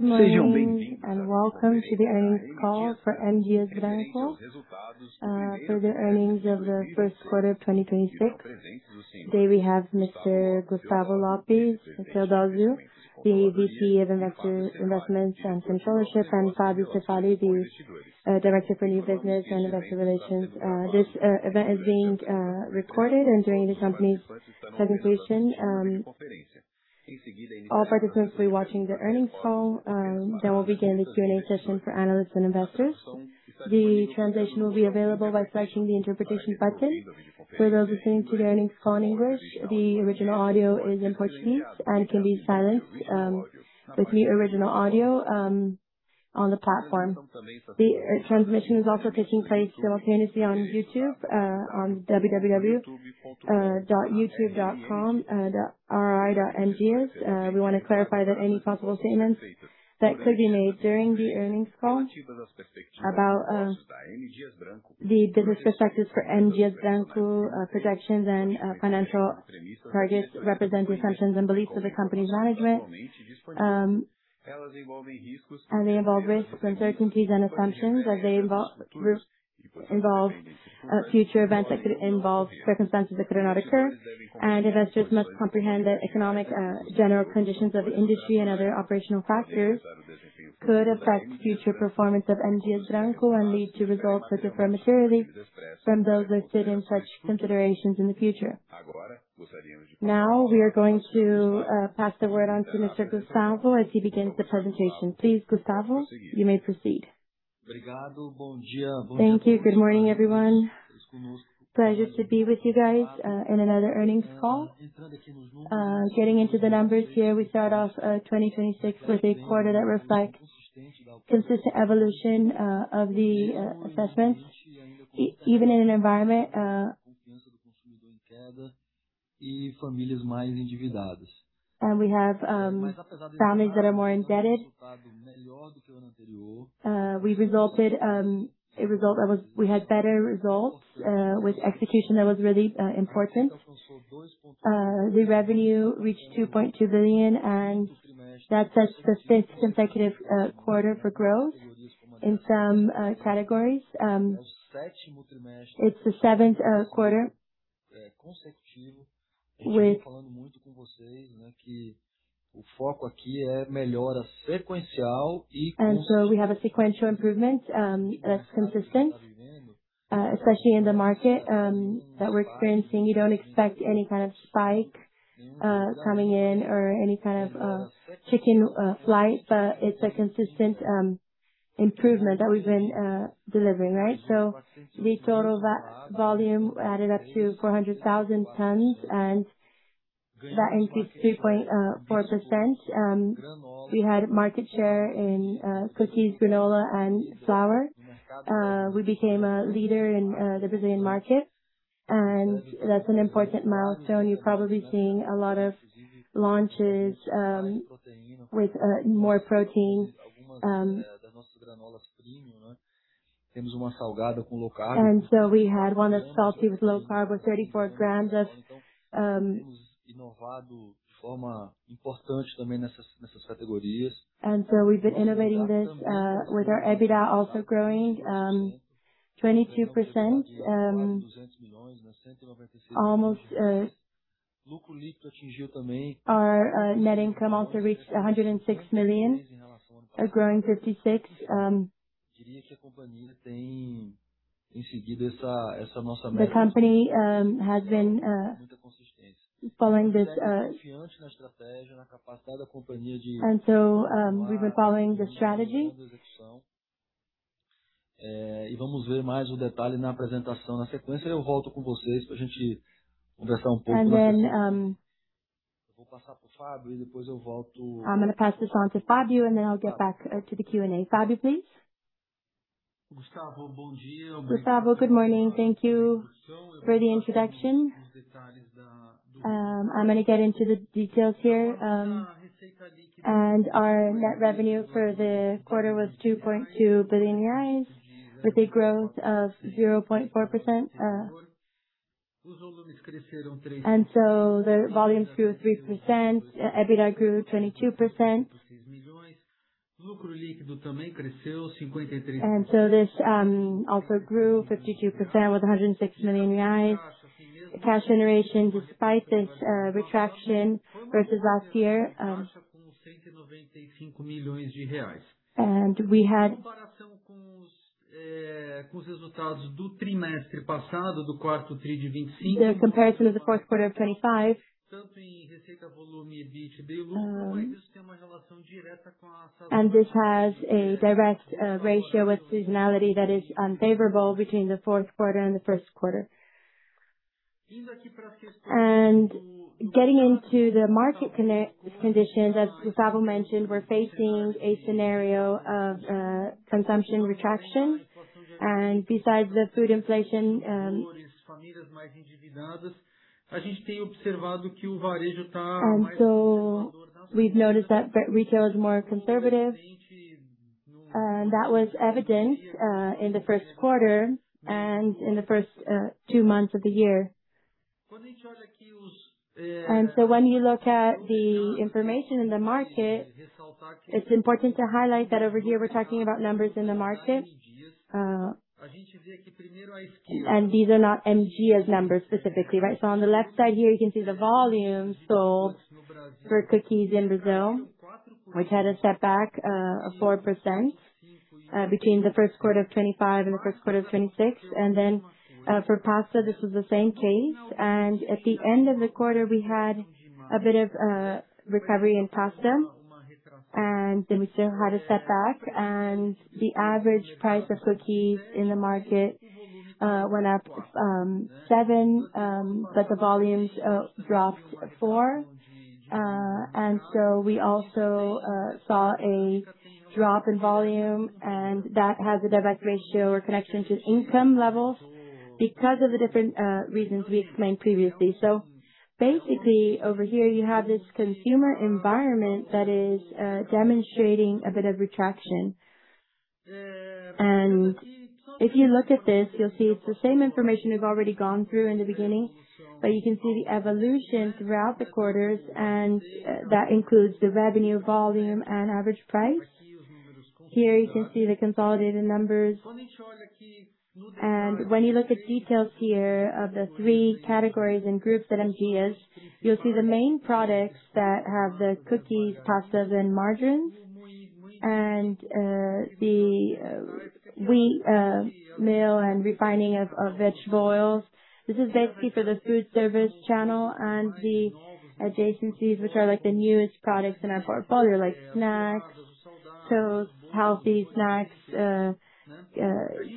Good morning, welcome to the earnings call for M. Dias Branco, for the earnings of the first quarter of 2026. Today we have Mr. Gustavo Lopes Theodozio, the VP of Investor Investments and Controllership, and Fabio Cefaly, the New Business and Investor Relations Director. This event is being recorded and during the company's presentation, all participants will be watching the earnings call. We'll begin the Q&A session for analysts and investors. The translation will be available by selecting the interpretation button for those listening to the earnings call in English. The original audio is in Portuguese and can be silenced with the original audio on the platform. The transmission is also taking place simultaneously on YouTube on www.youtube.com/ri.mdiasbranco. We wanna clarify that any possible statements that could be made during the earnings call about the business perspectives for M. Dias Branco, projections and financial targets represent the assumptions and beliefs of the company's management. They involve risks, uncertainties and assumptions. That they involve future events that could involve circumstances that could or not occur. Investors must comprehend that economic, general conditions of the industry and other operational factors could affect future performance of M. Dias Branco and lead to results that differ materially from those listed in such considerations in the future. Now, we are going to pass the word on to Mr. Gustavo as he begins the presentation. Please, Gustavo, you may proceed. Thank you. Good morning, everyone. Pleasure to be with you guys in another earnings call. Getting into the numbers here, we start off 2026 with a quarter that reflects consistent evolution of the assessments even in an environment. We have families that are more indebted. We had better results with execution that was really important. The revenue reached 2.2 billion. That's a sixth consecutive quarter for growth in some categories. It's the seventh quarter. We have a sequential improvement that's consistent, especially in the market that we're experiencing. You don't expect any kind of spike coming in or any kind of chicken flight. It's a consistent improvement that we've been delivering, right? The total volume added up to 400,000 tons and that increased 3.4%. We had market share in cookies, granola and flour. We became a leader in the Brazilian market, and that's an important milestone. You're probably seeing a lot of launches with more protein. We had one that's salty with low carb with 34 g. We've been innovating this with our EBITDA also growing 22%. Almost. Our net income also reached 106 million, growing 56%. The company has been following this. We've been following the strategy. I'm gonna pass this on to Fabio, and then I'll get back to the Q&A. Fabio, please. Gustavo, good morning. Thank you for the introduction. I'm gonna get into the details here. Our net revenue for the quarter was 2.2 billion with a growth of 0.4%. The volumes grew 3%. EBITDA grew 22%. This also grew 52% with 106 million reais. The cash generation, despite this retraction versus last year, We had the comparison of the fourth quarter of 2025. This has a direct ratio with seasonality that is unfavorable between the fourth quarter and the first quarter. Getting into the market conditions, as Gustavo mentioned, we're facing a scenario of consumption retraction. Besides the food inflation, we've noticed that re-retail is more conservative, and that was evident in the first quarter and in the first two months of the year. When you look at the information in the market, it's important to highlight that over here we're talking about numbers in the market. And these are not M. Dias. Numbers specifically, right? On the left side here, you can see the volume sold for cookies in Brazil, which had a setback of 4% between the first quarter of 2025 and the first quarter of 2026. For pasta, this was the same case. At the end of the quarter, we had a bit of recovery in pasta, and then we still had a setback. The average price of cookies in the market went up 7%, but the volumes dropped 4%. We also saw a drop in volume, and that has a direct ratio or connection to income levels because of the different reasons we explained previously. Basically, over here, you have this consumer environment that is demonstrating a bit of retraction. If you look at this, you'll see it's the same information we've already gone through in the beginning, but you can see the evolution throughout the quarters, and that includes the revenue, volume, and average price. Here you can see the consolidated numbers. When you look at details here of the three categories and groups at M. Dias, you'll see the main products that have the cookies, pastas and margarines, and the wheat mill and refining of vegetable oils. This is basically for the food service channel and the adjacencies, which are like the newest products in our portfolio, like snacks, toast, healthy snacks,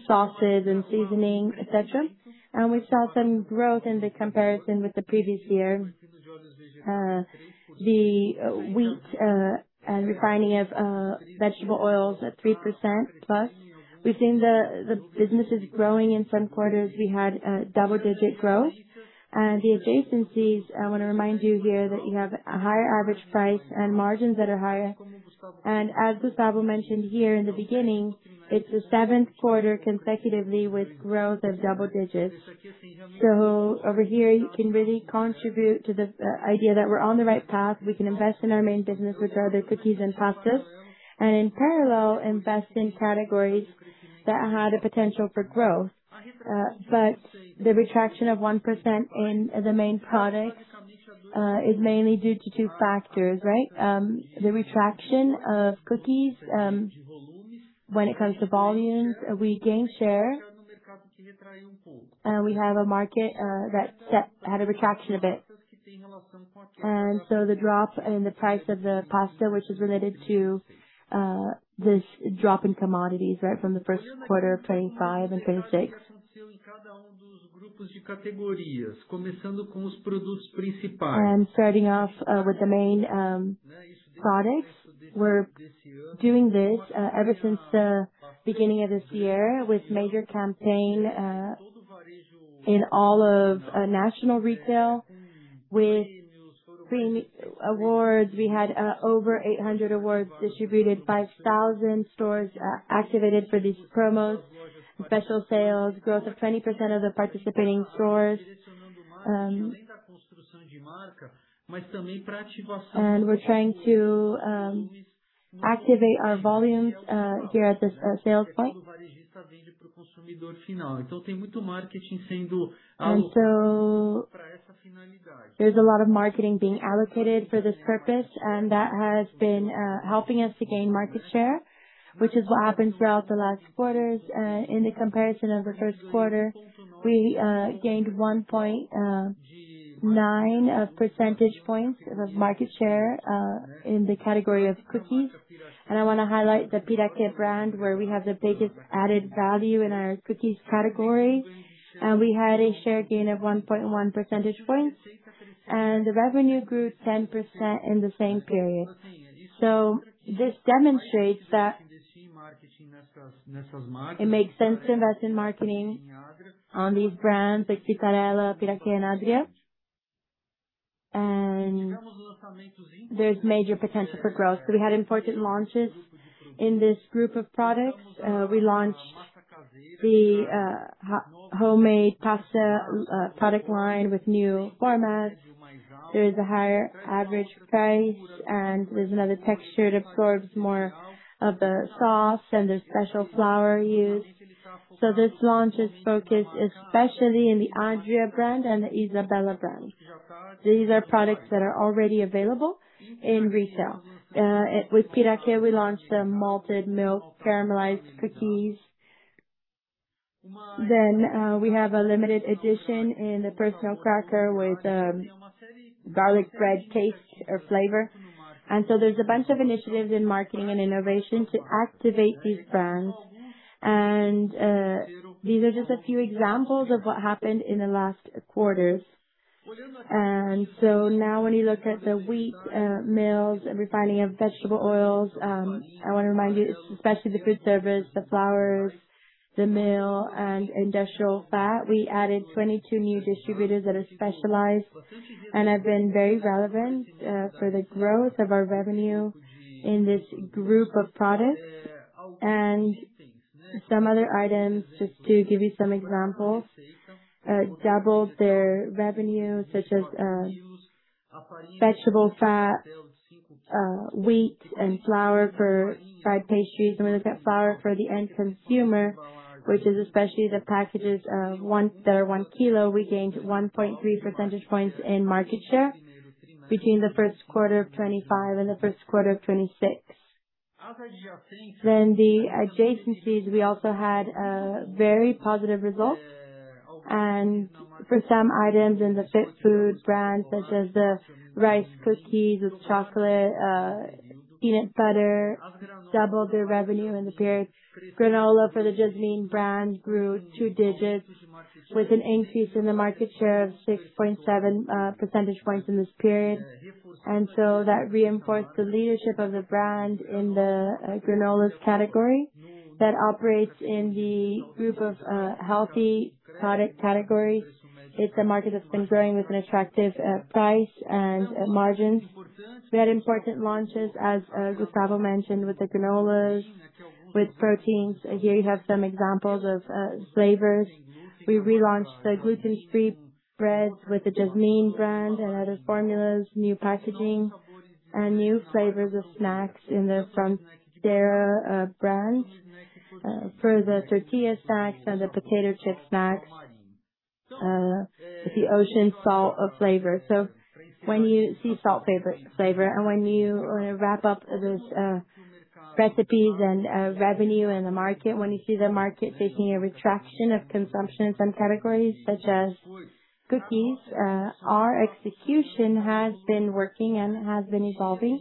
sauces and seasoning, et cetera. We saw some growth in the comparison with the previous year. The wheat and refining of vegetable oils at 3%+. We've seen the businesses growing. In some quarters, we had double-digit growth. The adjacencies, I wanna remind you here that you have a higher average price and margins that are higher. As Gustavo mentioned here in the beginning, it's the seventh quarter consecutively with growth of double-digits. Over here, you can really contribute to the idea that we're on the right path. We can invest in our main business, which are the cookies and pastas, and in parallel, invest in categories that had a potential for growth. The retraction of 1% in the main products is mainly due to two factors, right? The retraction of cookies, when it comes to volumes, we gain share. We have a market that had a retraction a bit. The drop in the price of the pasta, which is related to this drop in commodities, right from the first quarter of 2025 and 2026. Starting off with the main products. We're doing this ever since the beginning of this year with major campaign in all of national retail. With premium awards, we had over 800 awards distributed, 5,000 stores activated for these promos and special sales. Growth of 20% of the participating stores. We're trying to activate our volumes here at this sales point. There's a lot of marketing being allocated for this purpose, and that has been helping us to gain market share, which is what happened throughout the last quarters. In the comparison of the first quarter, we gained 1.9 percentage points of market share in the category of cookies. I wanna highlight the Piraquê brand, where we have the biggest added value in our cookies category. We had a share gain of 1.1 percentage points, and the revenue grew 10% in the same period. This demonstrates that it makes sense to invest in marketing on these brands like Vitarella, Piraquê, and Adria. There's major potential for growth. We had important launches in this group of products. We launched the homemade pasta product line with new formats. There is a higher average price, and there's another texture. It absorbs more of the sauce and the special flour used. This launch is focused especially in the Adria brand and the Isabela brand. These are products that are already available in retail. With Piraquê, we launched the malted milk caramelized cookies. We have a limited edition in the personal cracker with garlic bread taste or flavor. There's a bunch of initiatives in marketing and innovation to activate these brands. These are just a few examples of what happened in the last quarters. Now when you look at the Wheat millings and Refining of vegetable oils, I wanna remind you, especially the food service, the flours, the meal, and industrial fat. We added 22 new distributors that are specialized and have been very relevant for the growth of our revenue in this group of products. Some other items, just to give you some examples, doubled their revenue, such as vegetable fat, wheat and flour for fried pastries. When it's that flour for the end consumer, which is especially the packages of 1 kilo, we gained 1.3 percentage points in market share between the first quarter of 2025 and the first quarter of 2026. The adjacencies, we also had very positive results. For some items in the Fit Food brand, such as the rice cookies with chocolate, peanut butter, doubled their revenue in the period. Granola for the Jasmine brand grew two digits with an increase in the market share of 6.7 percentage points in this period. That reinforced the leadership of the brand in the granolas category that operates in the group of healthy product category. It's a market that's been growing with an attractive price and margins. We had important launches, as Gustavo mentioned, with the granolas, with proteins. Here you have some examples of flavors. We relaunched the gluten-free breads with the Jasmine brand and other formulas, new packaging and new flavors of snacks in the Frontera brand. For the tortilla snacks and the potato chip snacks, with the ocean salt flavor. When you see salt flavor, and when you wrap up those recipes and revenue in the market, when you see the market taking a retraction of consumption in some categories, such as cookies, our execution has been working and has been evolving.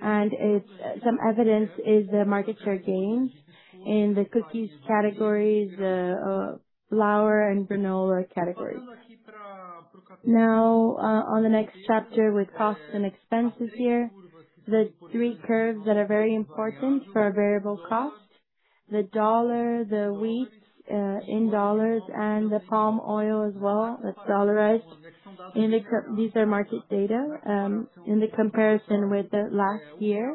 Some evidence is the market share gains in the cookies categories, flour and granola categories. On the next chapter with costs and expenses here. The three curves that are very important for variable cost: the dollar, the wheat in dollars, and the palm oil as well, that's dollarized. These are market data. In the comparison with the last year,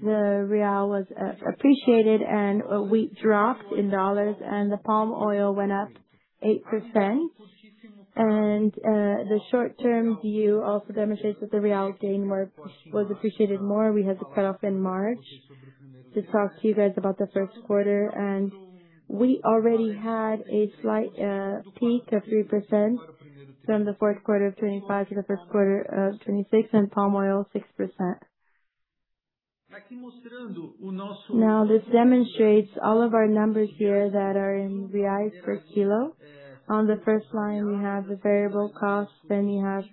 the BRL was appreciated and wheat dropped in dollars and the palm oil went up 8%. The short-term view also demonstrates that the real gain was appreciated more. We had the cut-off in March to talk to you guys about the first quarter, and we already had a slight peak of 3% from the fourth quarter of 2025 to the first quarter of 2026, and palm oil, 6%. This demonstrates all of our numbers here that are in reais per kilo. On the first line, we have the variable costs, then you have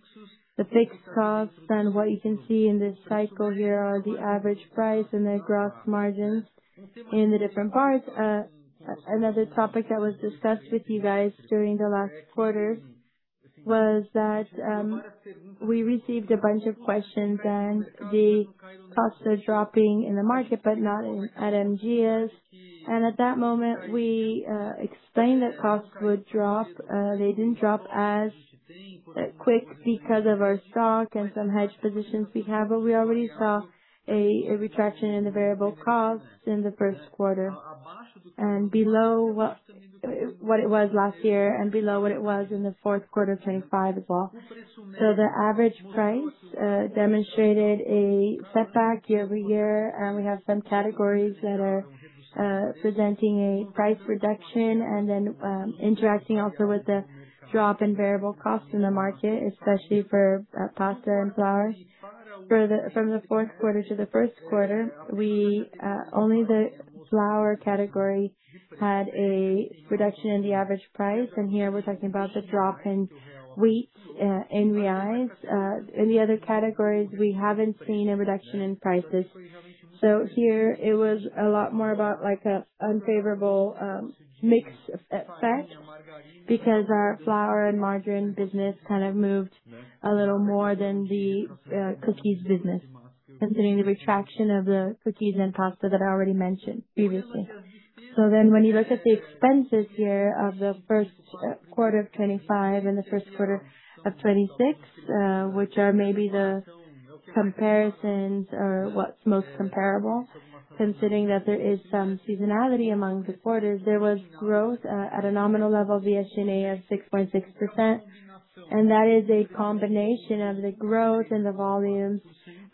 the fixed costs. What you can see in this cycle here are the average price and the gross margins in the different parts. Another topic that was discussed with you guys during the last quarter was that we received a bunch of questions and the costs are dropping in the market, but not at M. Dias Branco. At that moment we explained that costs would drop. They didn't drop as quick because of our stock and some hedge positions we have. We already saw a retraction in the variable costs in the first quarter and below what it was last year and below what it was in the fourth quarter of 2025 as well. The average price demonstrated a setback year-over-year. We have some categories that are presenting a price reduction then interacting also with the drop in variable costs in the market, especially for pasta and flour. From the fourth quarter to the first quarter, we only the flour category had a reduction in the average price. Here we're talking about the drop in wheat in reais. In the other categories, we haven't seen a reduction in prices. Here it was a lot more about like an unfavorable mix effect because our flour and margarine business kind of moved a little more than the Cookies business, considering the retraction of the cookies and pasta that I already mentioned previously. When you look at the expenses here of the first quarter of 2025 and the first quarter of 2026, which are maybe the comparisons or what's most comparable, considering that there is some seasonality among the quarters. There was growth at a nominal level of the SG&A of 6.6%. That is a combination of the growth in the volumes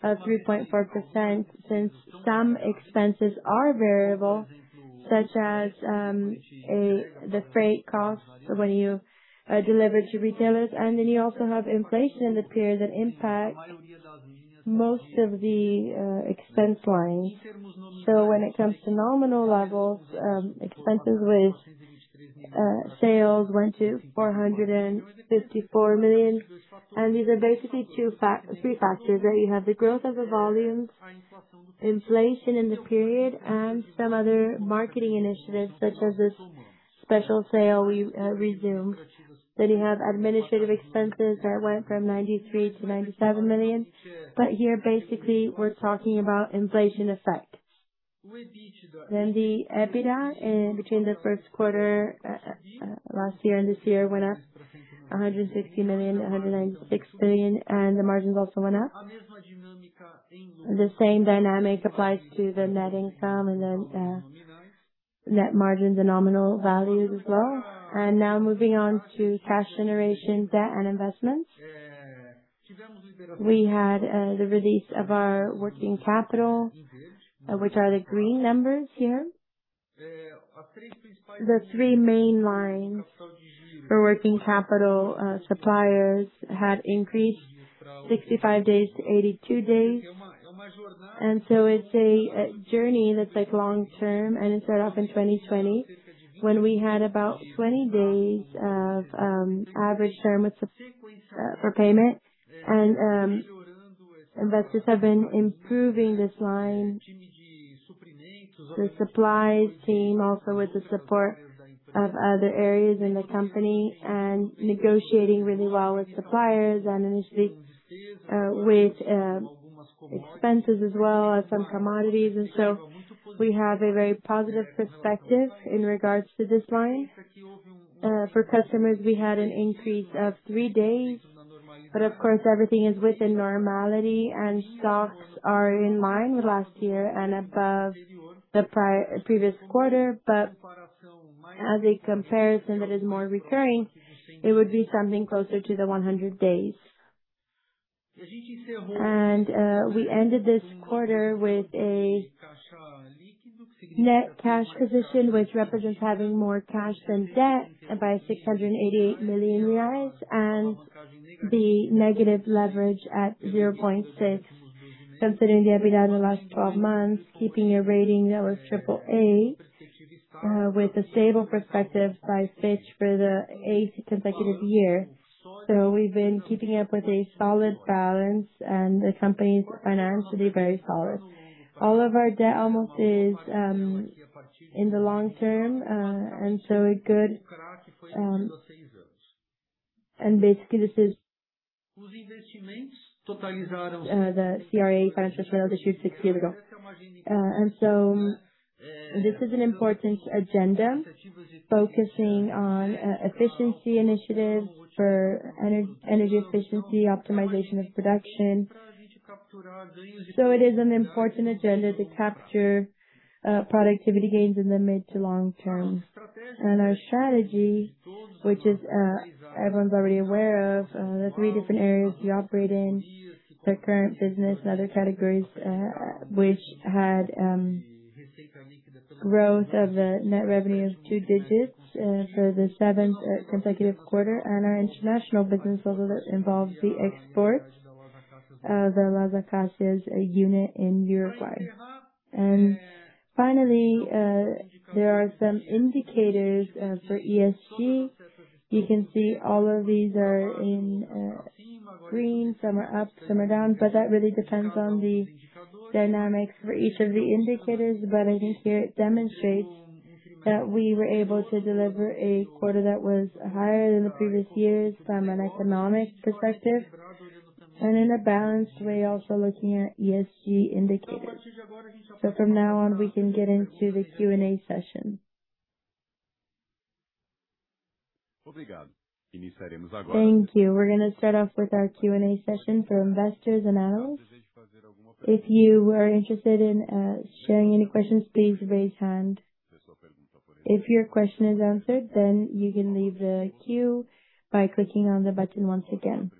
of 3.4%, since some expenses are variable, such as the freight costs when you deliver to retailers. You also have inflation in the period that impacts most of the expense lines. When it comes to nominal levels, expenses with sales went to 454 million. These are basically three factors, right? You have the growth of the volumes, inflation in the period, and some other marketing initiatives such as this special sale we resumed. You have administrative expenses that went from 93 million-97 million. Here, basically, we're talking about inflation effect. The EBITDA in between the first quarter last year and this year went up 160 million to 160 million, and the margins also went up. The same dynamic applies to the net income and then net margins and nominal values as well. Moving on to cash generation debt and investments. We had the release of our working capital, which are the green numbers here. The three main lines for working capital, suppliers had increased 65 days to 82 days. So it's a journey that's like long-term, and it started off in 2020, when we had about 20 days of average term for payment. Investors have been improving this line. The supplies team, also with the support of other areas in the company and negotiating really well with suppliers and initially with expenses as well as some commodities. So we have a very positive perspective in regards to this line. For customers, we had an increase of three days, but of course, everything is within normality and stocks are in line with last year and above the previous quarter. As a comparison that is more recurring, it would be something closer to the 100 days. We ended this quarter with a net cash position, which represents having more cash than debt by 688 million reais and the negative leverage at 0.6x. Considering the EBITDA in the last 12 months, keeping a rating that was AAA, with a stable perspective by Fitch for the eighth consecutive year. We've been keeping up with a solid balance, and the company is financially very solid. All of our debt almost is in the long-term, and so a good. Basically, this is the CRA financial issue six years ago. This is an important agenda focusing on efficiency initiatives for energy efficiency, optimization of production. It is an important agenda to capture productivity gains in the mid to long-term. Our strategy, which is everyone's already aware of, the three different areas we operate in, the current business and other categories, which had growth of the net revenue of two digits for the seventh consecutive quarter. Our International business level that involves the export of the Las Acacias unit in Uruguay. Finally, there are some indicators for ESG. You can see all of these are in green. Some are up, some are down, but that really depends on the dynamics for each of the indicators. I think here it demonstrates that we were able to deliver a quarter that was higher than the previous years from an economic perspective and in a balanced way, also looking at ESG indicators. From now on, we can get into the Q&A session. Thank you. We're going to start off with our Q&A session for investors and analysts. If you are interested in sharing any questions, please raise hand. If your question is answered, you can leave the queue by clicking on the button once again.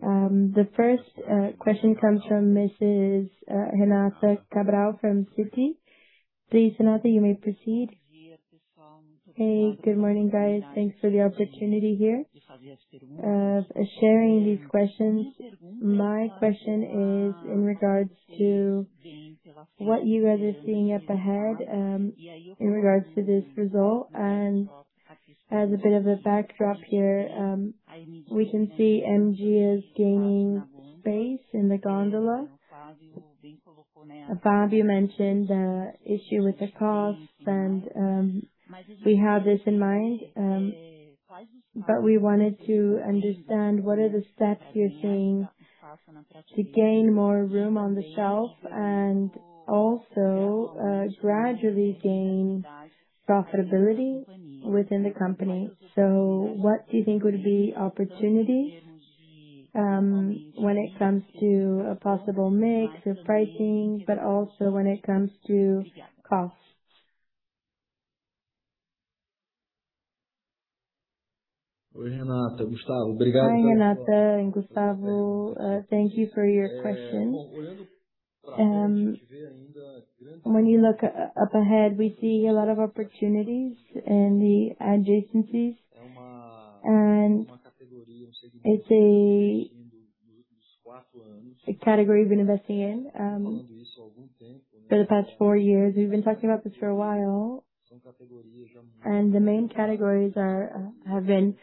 The first question comes from Mrs. Renata Cabral from Citi. Please, Renata, you may proceed. Hey, good morning, guys. Thanks for the opportunity here of sharing these questions. My question is in regards to what you guys are seeing up ahead in regards to this result. As a bit of a backdrop here, we can see M. Dias is gaining space in the gondola. Fabio mentioned the issue with the costs, we have this in mind. We wanted to understand what are the steps you're seeing to gain more room on the shelf and also gradually gain profitability within the company. What do you think would be opportunities when it comes to a possible mix or pricing, but also when it comes to costs? Hi, Renata and Gustavo. Thank you for your question. When you look up ahead, we see a lot of opportunities in the adjacencies, and it's a category we've been investing in for the past four years. We've been talking about this for a while, and the main categories have been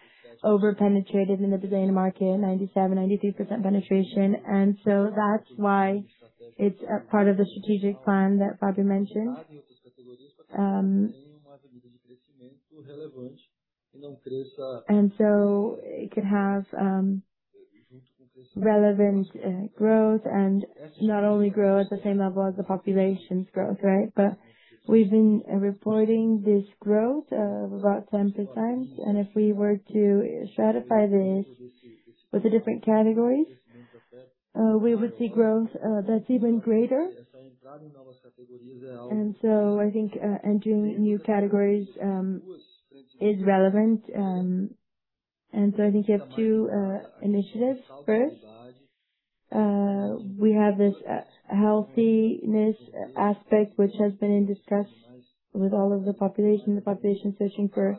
over-penetrated in the Brazilian market, 97%, 93% penetration. That's why it's a part of the strategic plan that Fabio mentioned. It could have relevant growth and not only grow at the same level as the population's growth, right? We've been reporting this growth of about 10%. If we were to stratify this with the different categories, we would see growth that's even greater. I think entering new categories is relevant. I think you have two initiatives. First, we have this healthiness aspect, which has been in discussion with all of the population. The population searching for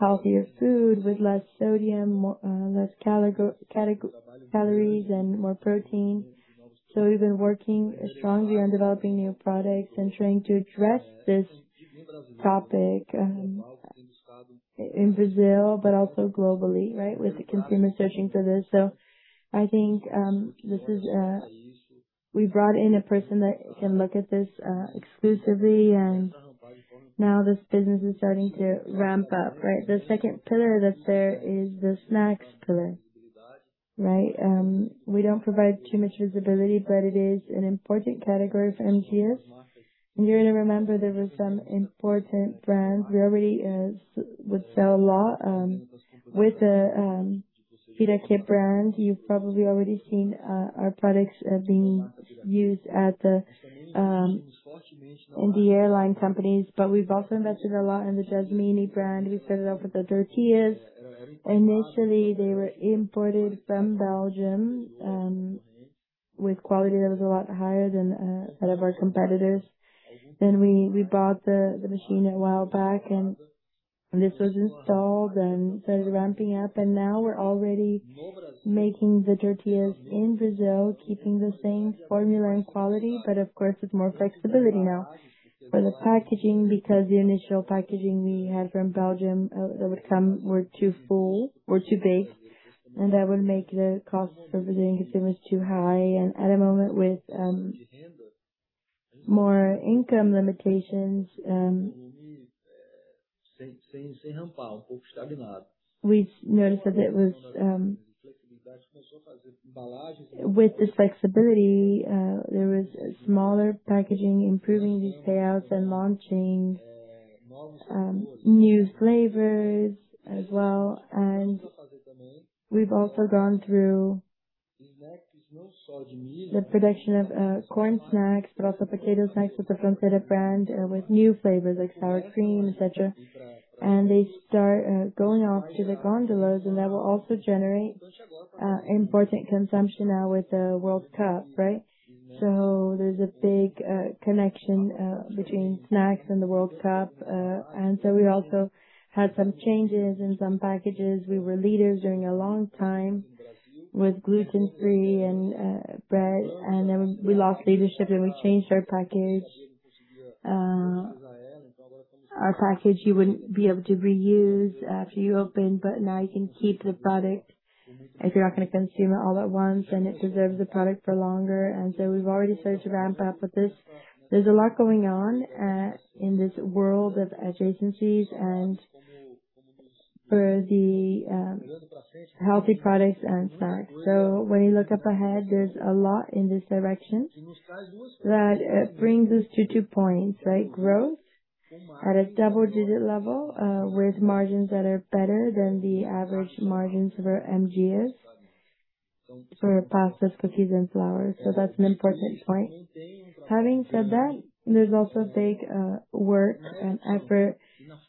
healthier food with less sodium, less calories and more protein. We've been working strongly on developing new products and trying to address this topic in Brazil but also globally, right? With the consumer searching for this. I think we brought in a person that can look at this exclusively and now this business is starting to ramp up, right? The second pillar that's there is the snacks pillar, right? We don't provide too much visibility, but it is an important category for M. Dias. You're going to remember there were some important brands. We already sell a lot with the Piraquê brand. You've probably already seen our products being used at the in the airline companies. We've also invested a lot in the Jasmine brand. We started off with the tortillas. Initially, they were imported from Belgium with quality that was a lot higher than that of our competitors. We bought the machine a while back, and this was installed and started ramping up. Now we're already making the tortillas in Brazil, keeping the same formula and quality, but of course, with more flexibility now. For the packaging, because the initial packaging we had from Belgium, that would come were too full or too big, and that would make the cost for the consumer too high. At a moment with more income limitations, we noticed that there was With this flexibility, there was a smaller packaging, improving these payouts and launching new flavors as well. We've also gone through the production of corn snacks, but also potato snacks with the Frontera brand, with new flavors like sour cream, et cetera. They start going off to the gondolas, and that will also generate important consumption now with the World Cup, right? There's a big connection between snacks and the World Cup. We also had some changes in some packages. We were leaders during a long time with gluten-free and bread, and then we lost leadership, and we changed our package. Our package you wouldn't be able to reuse after you open, but now you can keep the product if you're not going to consume it all at once, and it preserves the product for longer. We've already started to ramp up with this. There's a lot going on in this world of adjacencies and for the healthy products and snacks. When you look up ahead, there's a lot in this direction that brings us to two points, right? Growth at a double-digit level, with margins that are better than the average margins for M. Dias, for pastas, cookies and flour. That's an important point. Having said that, there's also big work and effort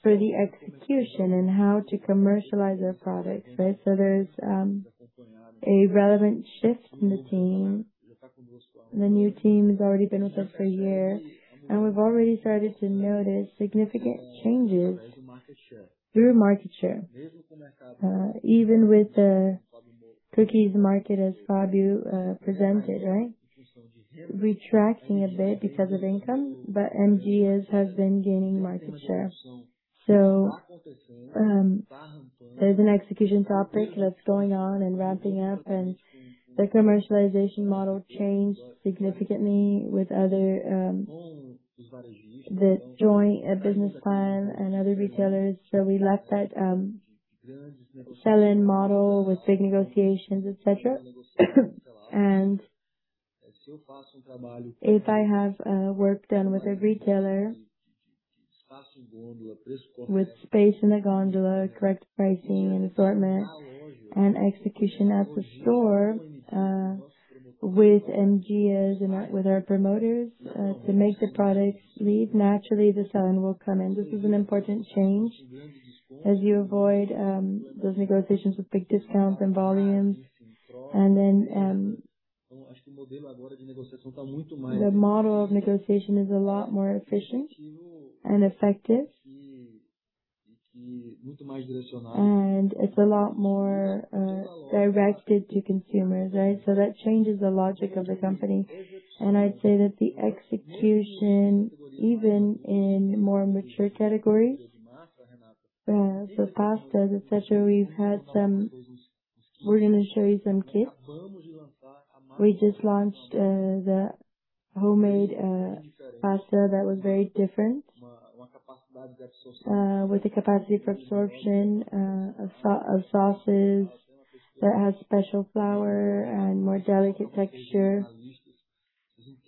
for the execution and how to commercialize our products, right? There's a relevant shift in the team. The new team has already been with us for a year, and we've already started to notice significant changes through market share. Even with the cookies market as Fabio presented, right? Retracting a bit because of income, M. Dias has been gaining market share. There's an execution topic that's going on and ramping up, and the commercialization model changed significantly with other the joint business plan and other retailers. We left that sell-in model with big negotiations, et cetera. If I have work done with a retailer with space in the gondola, correct pricing and assortment and execution at the store, with M. Dias and with our promoters, to make the products lead, naturally the sell-in will come in. This is an important change as you avoid those negotiations with big discounts and volumes. The model of negotiation is a lot more efficient and effective. It's a lot more directed to consumers, right? That changes the logic of the company. I'd say that the execution, even in more mature categories, pastas, et cetera, we're going to show you some kits. We just launched the homemade pasta that was very different, with the capacity for absorption of sauces that has special flour and more delicate texture.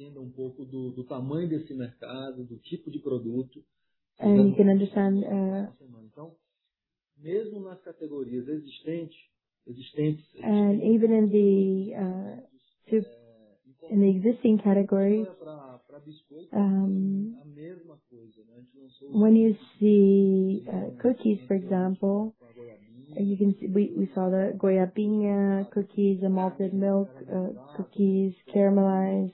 You can understand, Even in the existing category, when you see cookies, for example, we saw the Goiabinha cookies, the malted milk cookies, caramelized,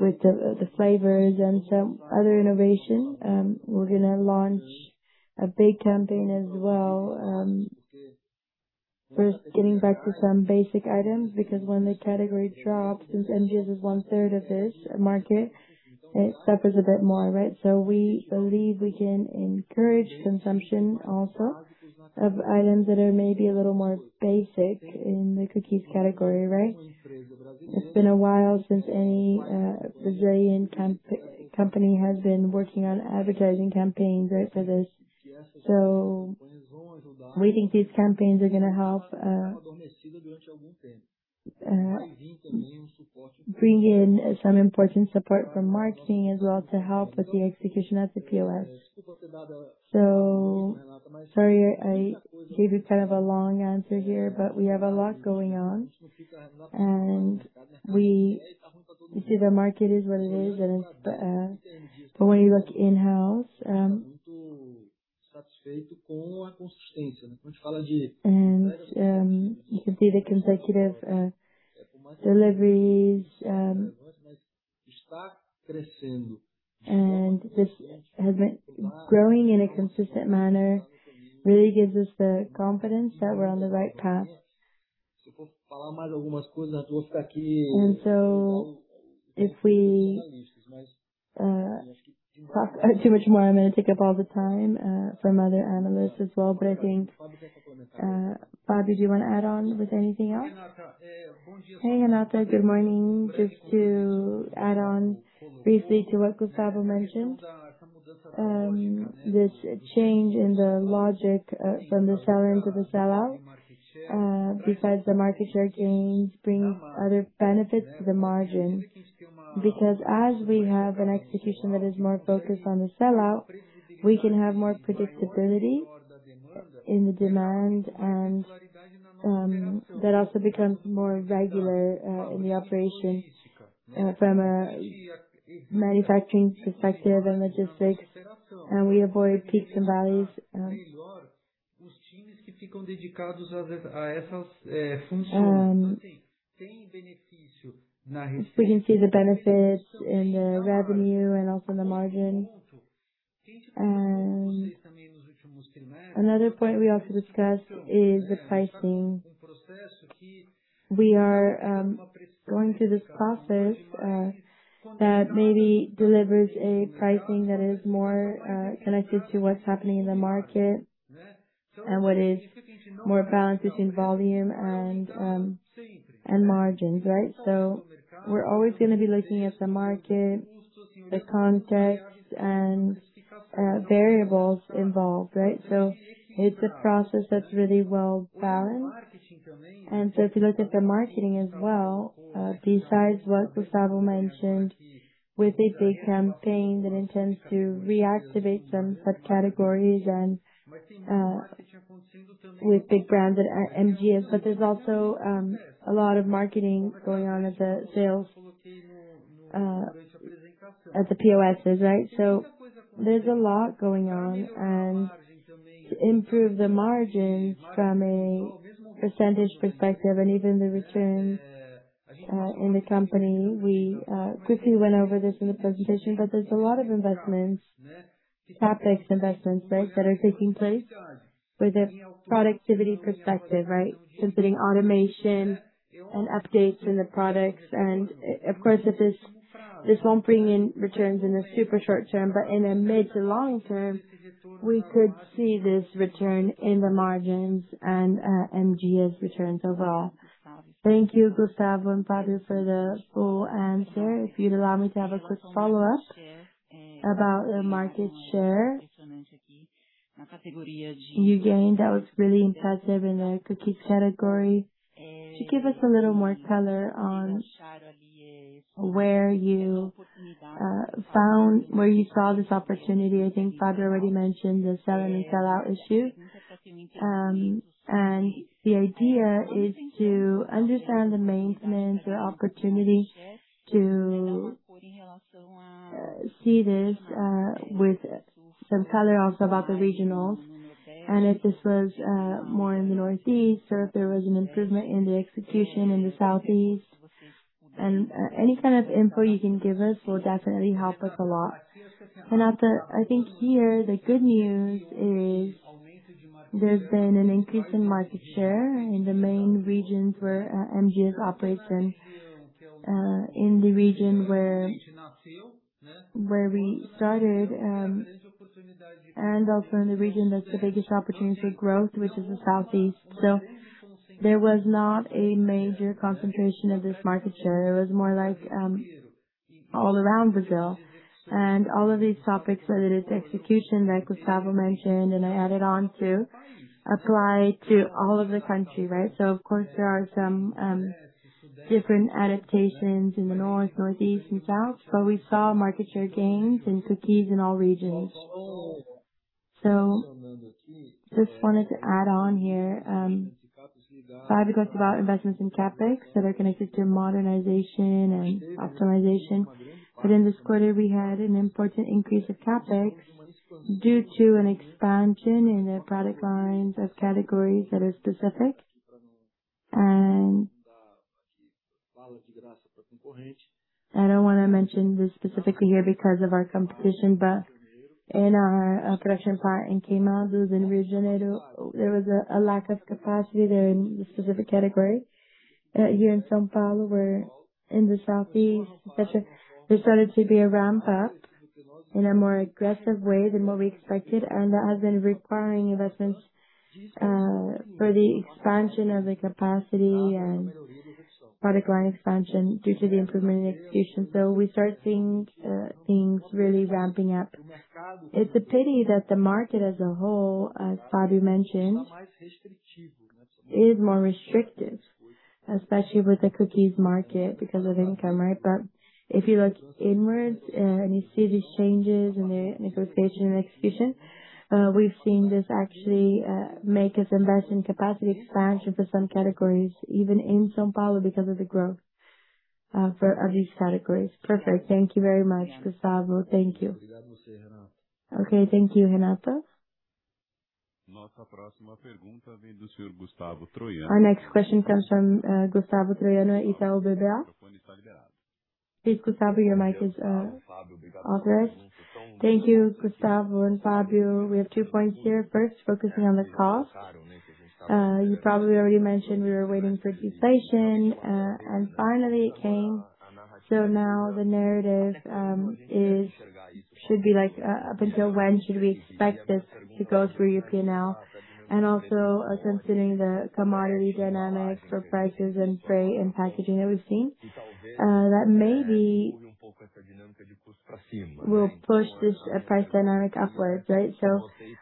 with the flavors and some other innovation. We're gonna launch a big campaign as well, first getting back to some basic items because when the category drops, since M. Dias is 1/3 of this market, it suffers a bit more, right? We believe we can encourage consumption also of items that are maybe a little more basic in the cookies category, right? It's been a while since any Brazilian company has been working on advertising campaigns, right, for this. We think these campaigns are going to help bring in some important support from marketing as well to help with the execution at the POS. Sorry I gave you kind of a long answer here, but we have a lot going on, and you see the market is what it is, and it's, but when you look in-house. You can see the consecutive deliveries. This has been growing in a consistent manner, really gives us the confidence that we're on the right path. If we talk too much more, I'm going to take up all the time from other analysts as well. I think, Fabio, do you want to add on with anything else? Hey, Renata, good morning. Just to add on briefly to what Gustavo mentioned. This change in the logic, from the sell-in to the sellout, besides the market share gains, brings other benefits to the margin. Because as we have an execution that is more focused on the sellout, we can have more predictability in the demand and that also becomes more regular in the operation, from a manufacturing perspective and logistics, and we avoid peaks and valleys. We can see the benefits in the revenue and also in the margin. Another point we also discussed is the pricing. We are going through this process that maybe delivers a pricing that is more connected to what's happening in the market and what is more balanced between volume and margins, right? We're always gonna be looking at the market, the context and variables involved, right? It's a process that's really well-balanced. If you look at the marketing as well, besides what Gustavo mentioned with a big campaign that intends to reactivate some subcategories and with big brands at M. Dias. There's also a lot of marketing going on at the sales, at the POSs, right? There's a lot going on. To improve the margins from a percentage perspective and even the returns in the company, we quickly went over this in the presentation, but there's a lot of investments, CapEx investments, right, that are taking place with a productivity perspective, right? Since putting automation and updates in the products and of course, if this won't bring in returns in the super short term, but in the mid to long-term, we could see this return in the margins and M. Dias returns overall. Thank you, Gustavo and Fabio, for the full answer. If you'd allow me to have a quick follow-up about the market share you gained, that was really impressive in the cookies category. To give us a little more color on where you saw this opportunity. I think Fabio already mentioned the sell-in and sellout issue. The idea is to understand the maintenance, the opportunity to see this with some color also about the regionals, and if this was more in the northeast or if there was an improvement in the execution in the southeast. Any kind of info you can give us will definitely help us a lot. Renata, I think here the good news is there's been an increase in market share in the main regions where M. Dias operates and in the region where we started and also in the region that's the biggest opportunity for growth, which is the southeast. There was not a major concentration of this market share. It was more like all around Brazil. All of these topics, whether it's execution that Gustavo mentioned and I added on to, apply to all of the country, right? Of course, there are some different adaptations in the north, northeast and south. We saw market share gains in cookies in all regions. Just wanted to add on here, Fabio talked about investments in CapEx that are connected to modernization and optimization. In this quarter, we had an important increase of CapEx due to an expansion in the product lines of categories that are specific. I don't wanna mention this specifically here because of our competition, but in our production part in Queimados in Rio de Janeiro, there was a lack of capacity there in the specific category. Here in São Paulo, where in the southeast, et cetera, there started to be a ramp up in a more aggressive way than what we expected, and that has been requiring investments for the expansion of the capacity and product line expansion due to the improvement in execution. We start seeing things really ramping up. It's a pity that the market as a whole, as Fabio mentioned, is more restrictive, especially with the cookies market because of income, right? If you look inwards, and you see these changes in the negotiation and execution, we've seen this actually make us invest in capacity expansion for some categories, even in São Paulo because of the growth of these categories. Perfect. Thank you very much, Gustavo. Thank you. Okay, thank you, Renata. Our next question comes from Gustavo Troyano, Itaú BBA. Please, Gustavo, your mic is authorized. Thank you, Gustavo and Fabio. We have two points here. First, focusing on the cost. You probably already mentioned we were waiting for deflation, and finally it came. Now the narrative should be like, up until when should we expect this to go through your P&L? Also considering the commodity dynamics for prices and freight and packaging that we've seen, that maybe will push this price dynamic upwards, right?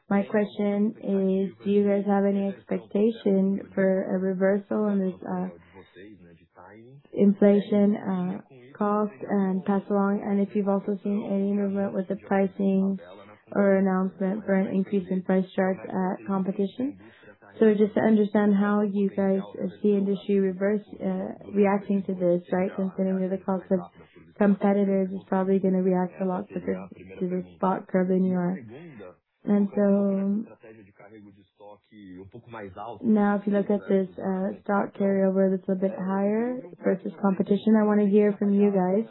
My question is: Do you guys have any expectation for a reversal in this inflation, cost and pass along? If you've also seen any movement with the pricing or announcement for an increase in price charts at competition. Just to understand how you guys see industry reacting to this, right? Considering the cost of competitors is probably gonna react a lot quicker to the spot covering you are. Now if you look at this stock carryover that's a bit higher versus competition, I wanna hear from you guys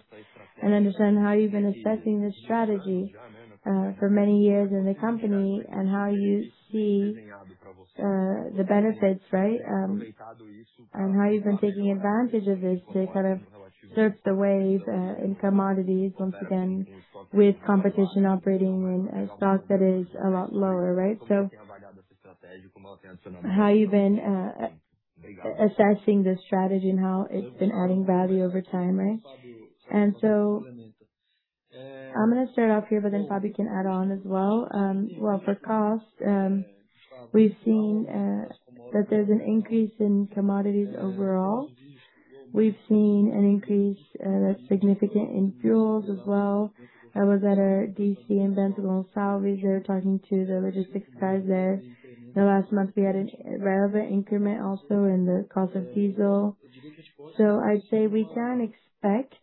and understand how you've been assessing this strategy for many years in the company and how you see the benefits, right? And how you've been taking advantage of this to kind of surf the wave in commodities once again with competition operating in a stock that is a lot lower, right? How you've been assessing this strategy and how it's been adding value over time, right? I'm gonna start off here, but then Fabio can add on as well. Well, for cost, we've seen that there's an increase in commodities overall. We've seen an increase that's significant in fuels as well. I was at our DC in Bento Gonçalves there talking to the logistics guys there. The last month we had an relevant increment also in the cost of diesel. I'd say we can expect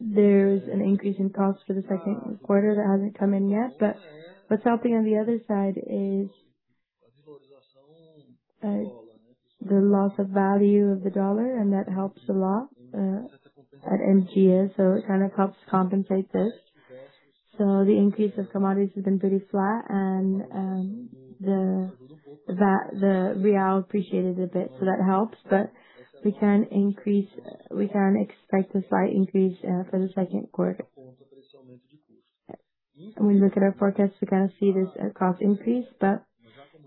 there's an increase in cost for the second quarter that hasn't come in yet. What's helping on the other side is the loss of value of the dollar, and that helps a lot at M. Dias, so it kind of helps compensate this. The increase of commodities has been pretty flat. The real appreciated a bit, so that helps. We can expect a slight increase for the second quarter. When we look at our forecast, we kind of see this cost increase.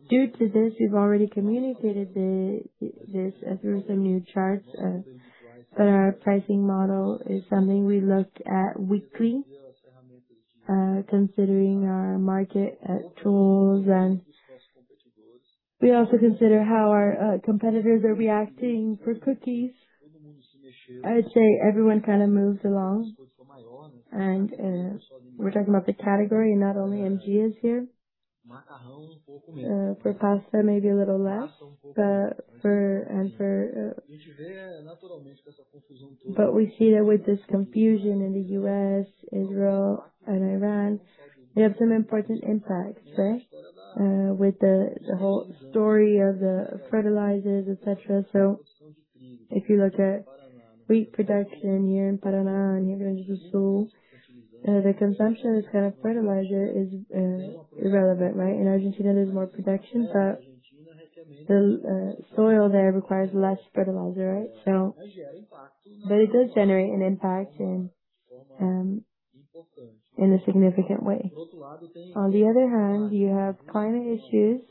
Due to this, we've already communicated this through some new charts. Our pricing model is something we look at weekly, considering our market tools. We also consider how our competitors are reacting for cookies. I would say everyone kind of moves along. We're talking about the category and not only M. Dias here. For pasta, maybe a little less. We see that with this confusion in the U.S., Israel and Iran, we have some important impacts, right? With the whole story of the fertilizers, et cetera. If you look at wheat production here in Paraná and Rio Grande do Sul, the consumption is kind of fertilizer is irrelevant, right? In Argentina, there's more production, but the soil there requires less fertilizer, right? That does generate an impact in a significant way. On the other hand, you have climate issues,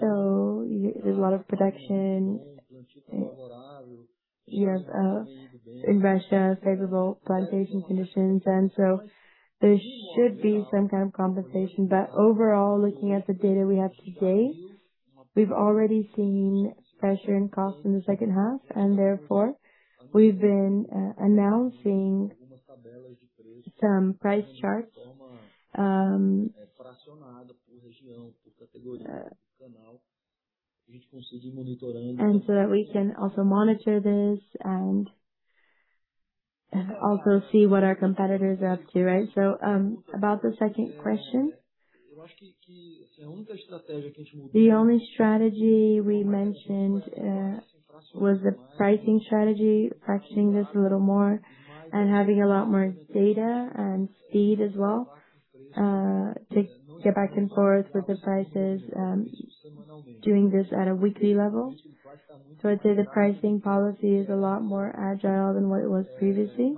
so there's a lot of production. You have in Russia, favorable plantation conditions. There should be some kind of compensation. Overall, looking at the data we have today, we've already seen pressure in cost in the second half, and therefore we've been announcing some price charts. That we can also monitor this and also see what our competitors are up to. Right. About the second question. The only strategy we mentioned was the pricing strategy, practicing this a little more and having a lot more data and speed as well, to get back and forth with the prices, doing this at a weekly level. I'd say the pricing policy is a lot more agile than what it was previously.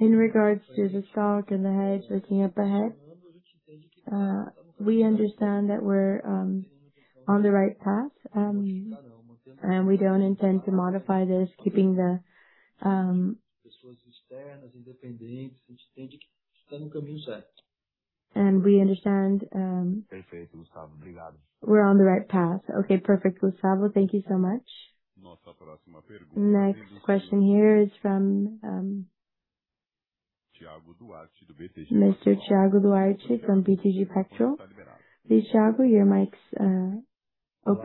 In regards to the stock and the hedge, looking up ahead, we understand that we're on the right path, and we don't intend to modify this. We're on the right path. Okay, perfect. Gustavo, thank you so much. Next question here is from Mr. Thiago Duarte from BTG Pactual. Hey, Thiago, your mic's open. Okay,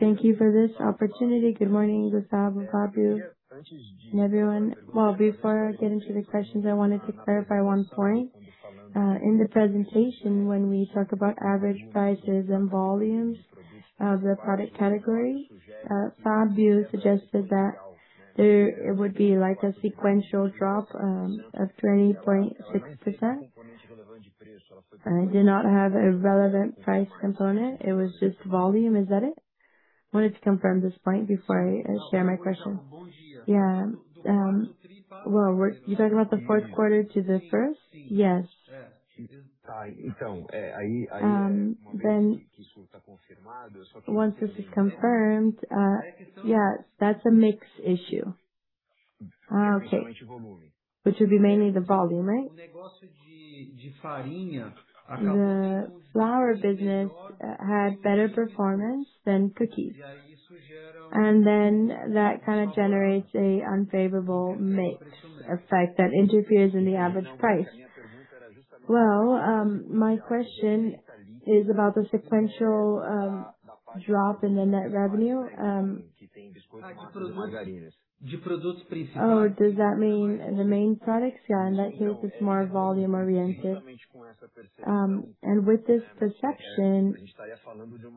thank you for this opportunity. Good morning, Gustavo, Fabio, and everyone. Well, before I get into the questions, I wanted to clarify one point. In the presentation, when we talk about average prices and volumes of the product category, Fabio suggested that it would be like a sequential drop of 20.6%. It did not have a relevant price component. It was just volume. Is that it? I wanted to confirm this point before I share my question. Yeah. Well, you're talking about the fourth quarter to the first? Yes. Once this is confirmed, yes, that's a mix issue. Okay. Which would be mainly the volume, right? The Flour business had better performance than cookies. That kind of generates a unfavorable mix effect that interferes in the average price. Well, my question is about the sequential drop in the net revenue. Does that mean the main products? Yeah. In that case, it's more volume oriented. With this perception,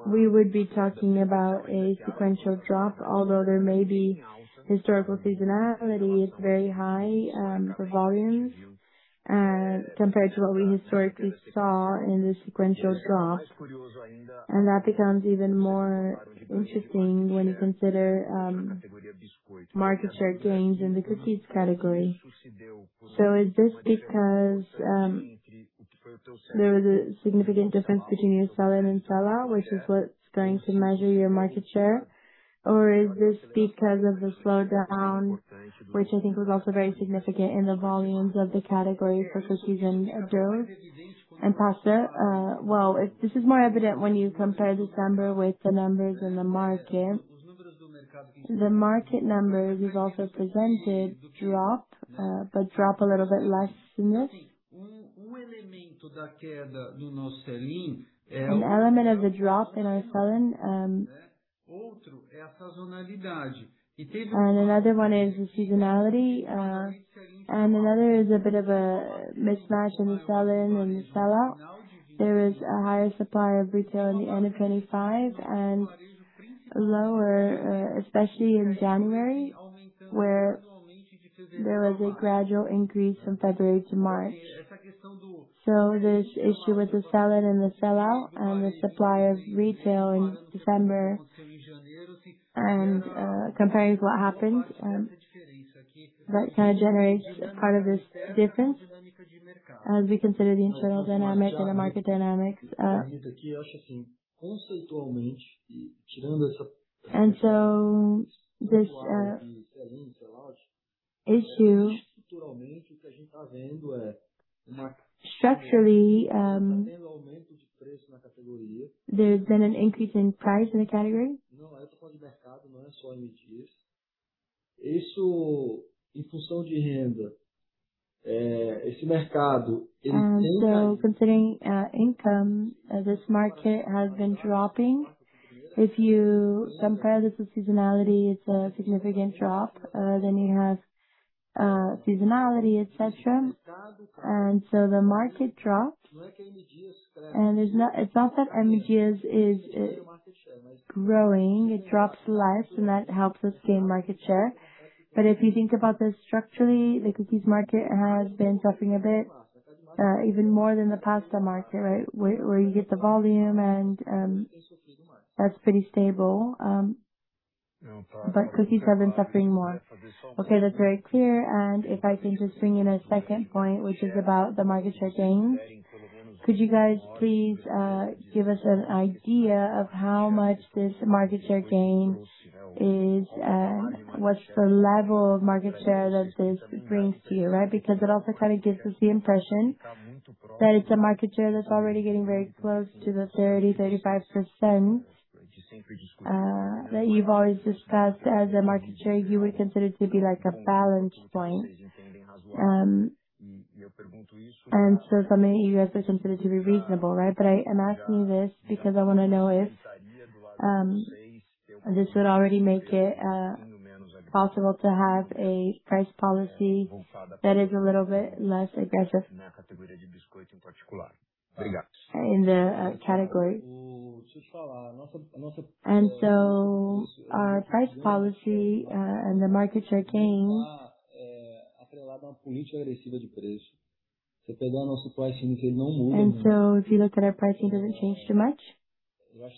we would be talking about a sequential drop, although there may be historical seasonality. It's very high for volumes compared to what we historically saw in the sequential drop. That becomes even more interesting when you consider market share gains in the cookies category. Is this because there was a significant difference between your sell-in and sellout, which is what's going to measure your market share? Is this because of the slowdown, which I think was also very significant in the volumes of the category for cookies and dough and pasta? Well, if this is more evident when you compare December with the numbers in the market. The market numbers we also presented drop, but drop a little bit less, isn't it? An element of the drop in our sell-in. Another one is the seasonality. Another is a bit of a mismatch in the sell-in and the sellout. There was a higher supply of retail in the end of 2025 and lower, especially in January, where there was a gradual increase from February to March. This issue with the sell-in and the sellout and the supply of retail in December and comparing to what happened, that kind of generates part of this difference as we consider the internal dynamic and the market dynamics. This issue. Structurally, there's been an increase in price in the category. Considering income, this market has been dropping. If you compare this with seasonality, it's a significant drop. Then you have seasonality, et cetera. The market dropped. It's not that M. Dias is growing. It drops less, and that helps us gain market share. If you think about this structurally, the cookies market has been suffering a bit, even more than the pasta market, right? Where, where you get the volume and that's pretty stable. Cookies have been suffering more. Okay, that's very clear. If I can just bring in a second point, which is about the market share gains. Could you guys please give us an idea of how much this market share gain is? What's the level of market share that this brings to you, right? Because it also kind of gives us the impression that it's a market share that's already getting very close to the 30%-35% that you've always discussed as a market share you would consider to be like a balance point. Something you guys would consider to be reasonable, right? I am asking you this because I wanna know if this would already make it possible to have a price policy that is a little bit less aggressive. In the category. Our price policy and the market share gains. If you look at our pricing, does it change too much? I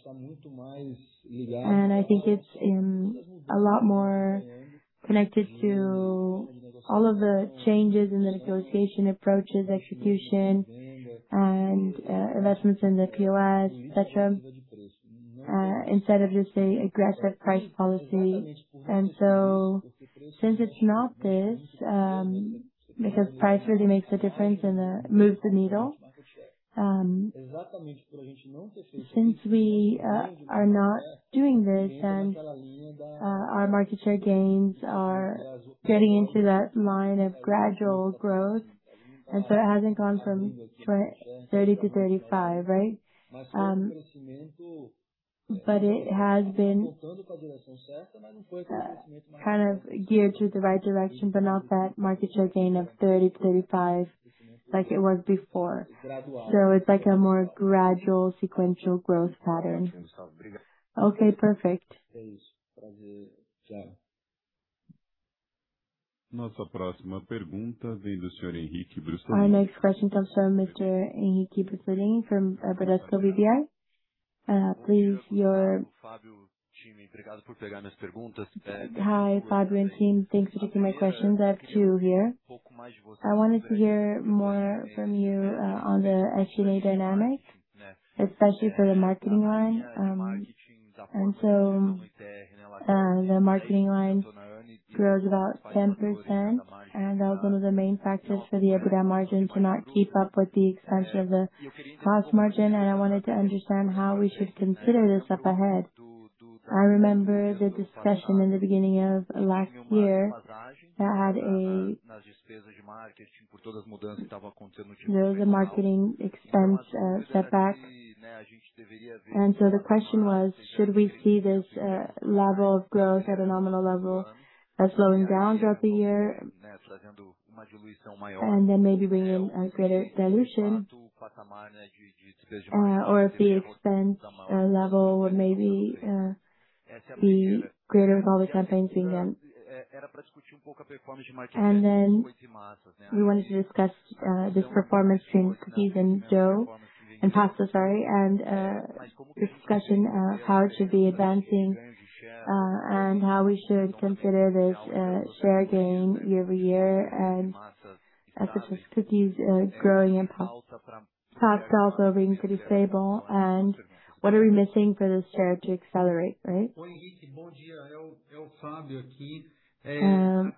think it's in a lot more connected to all of the changes in the negotiation approaches, execution and investments in the POS, et cetera, instead of just an aggressive price policy. Since it's not this, because price really makes a difference and moves the needle, since we are not doing this and our market share gains are getting into that line of gradual growth, it hasn't gone from 30%-35%, right? It has been kind of geared to the right direction, but not that market share gain of 30%-35% like it was before. It's like a more gradual sequential growth pattern. Okay, perfect. Our next question comes from Mr. Henrique Brustolin from Bradesco BBI. Hi, Fabio and team. Thanks for taking my questions. I have two here. I wanted to hear more from you on the SG&A dynamic, especially for the marketing line. The marketing line grows about 10%, and that was one of the main factors for the EBITDA margin to not keep up with the expansion of the cost margin. I wanted to understand how we should consider this up ahead. I remember the discussion in the beginning of last year. There was a marketing expense setback. The question was, should we see this level of growth at a nominal level slowing down throughout the year and then maybe bringing in a greater dilution? Or if the expense level would maybe be greater with all the campaigns being done. We wanted to discuss this performance between cookies and dough-- And pasta, sorry. Discussion how it should be advancing and how we should consider this share gain year-over-year. Such as cookies growing and pastas also being pretty stable. What are we missing for this share to accelerate, right? The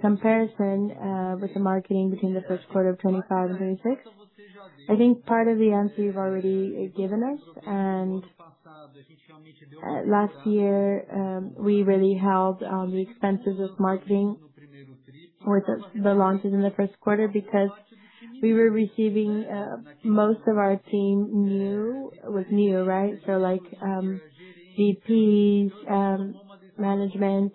comparison with the marketing between the first quarter of 2025 and 2026. I think part of the answer you've already given us. Last year, we really held the expenses of marketing with the launches in the first quarter because we were receiving most of our team new, right? So like VPs, management,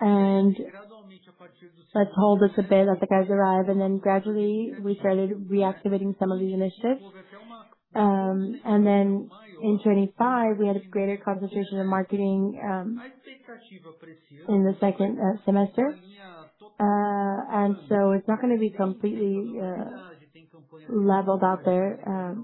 and let's hold this a bit, let the guys arrive, and then gradually we started reactivating some of these initiatives. In 2025 we had a greater concentration of marketing in the second semester. It's not gonna be completely leveled out there.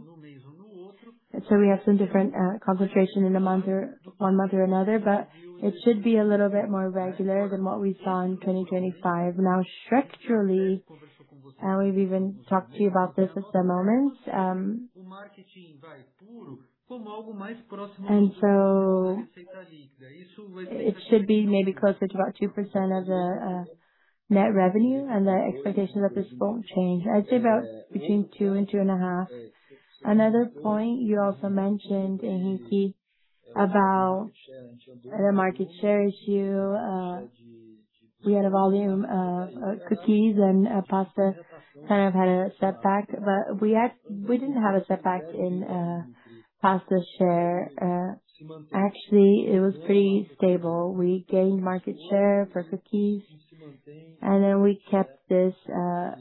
We have some different concentration in the month or one month or another, but it should be a little bit more regular than what we saw in 2025. Now structurally, and we've even talked to you about this at some moments. It should be maybe closer to about 2% of the net revenue. The expectation that this won't change, I'd say about between 2% and 2.5%. Another point you also mentioned, Henrique, about the market share issue. We had a volume of cookies and pasta kind of had a setback, but we didn't have a setback in pasta share. Actually, it was pretty stable. We gained market share for cookies, and then we kept this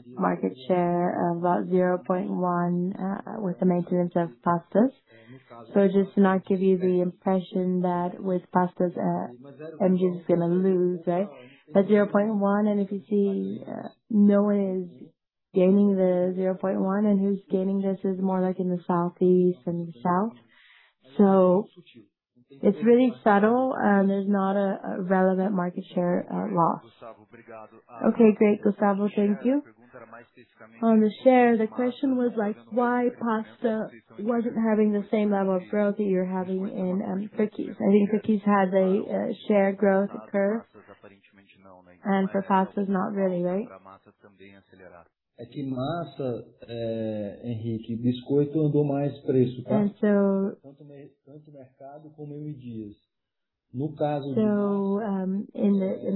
market share of about 0.1 with the maintenance of pastas. Just to not give you the impression that with pastas, M. Dias is gonna lose, right? 0.1 and if you see, no one is gaining the 0.1 and who's gaining this is more like in the southeast than the south. It's really subtle, and there's not a relevant market share loss. Okay, great, Gustavo. Thank you. On the share, the question was like why pasta wasn't having the same level of growth that you're having in cookies. I think cookies has a share growth curve. For pastas not really, right? In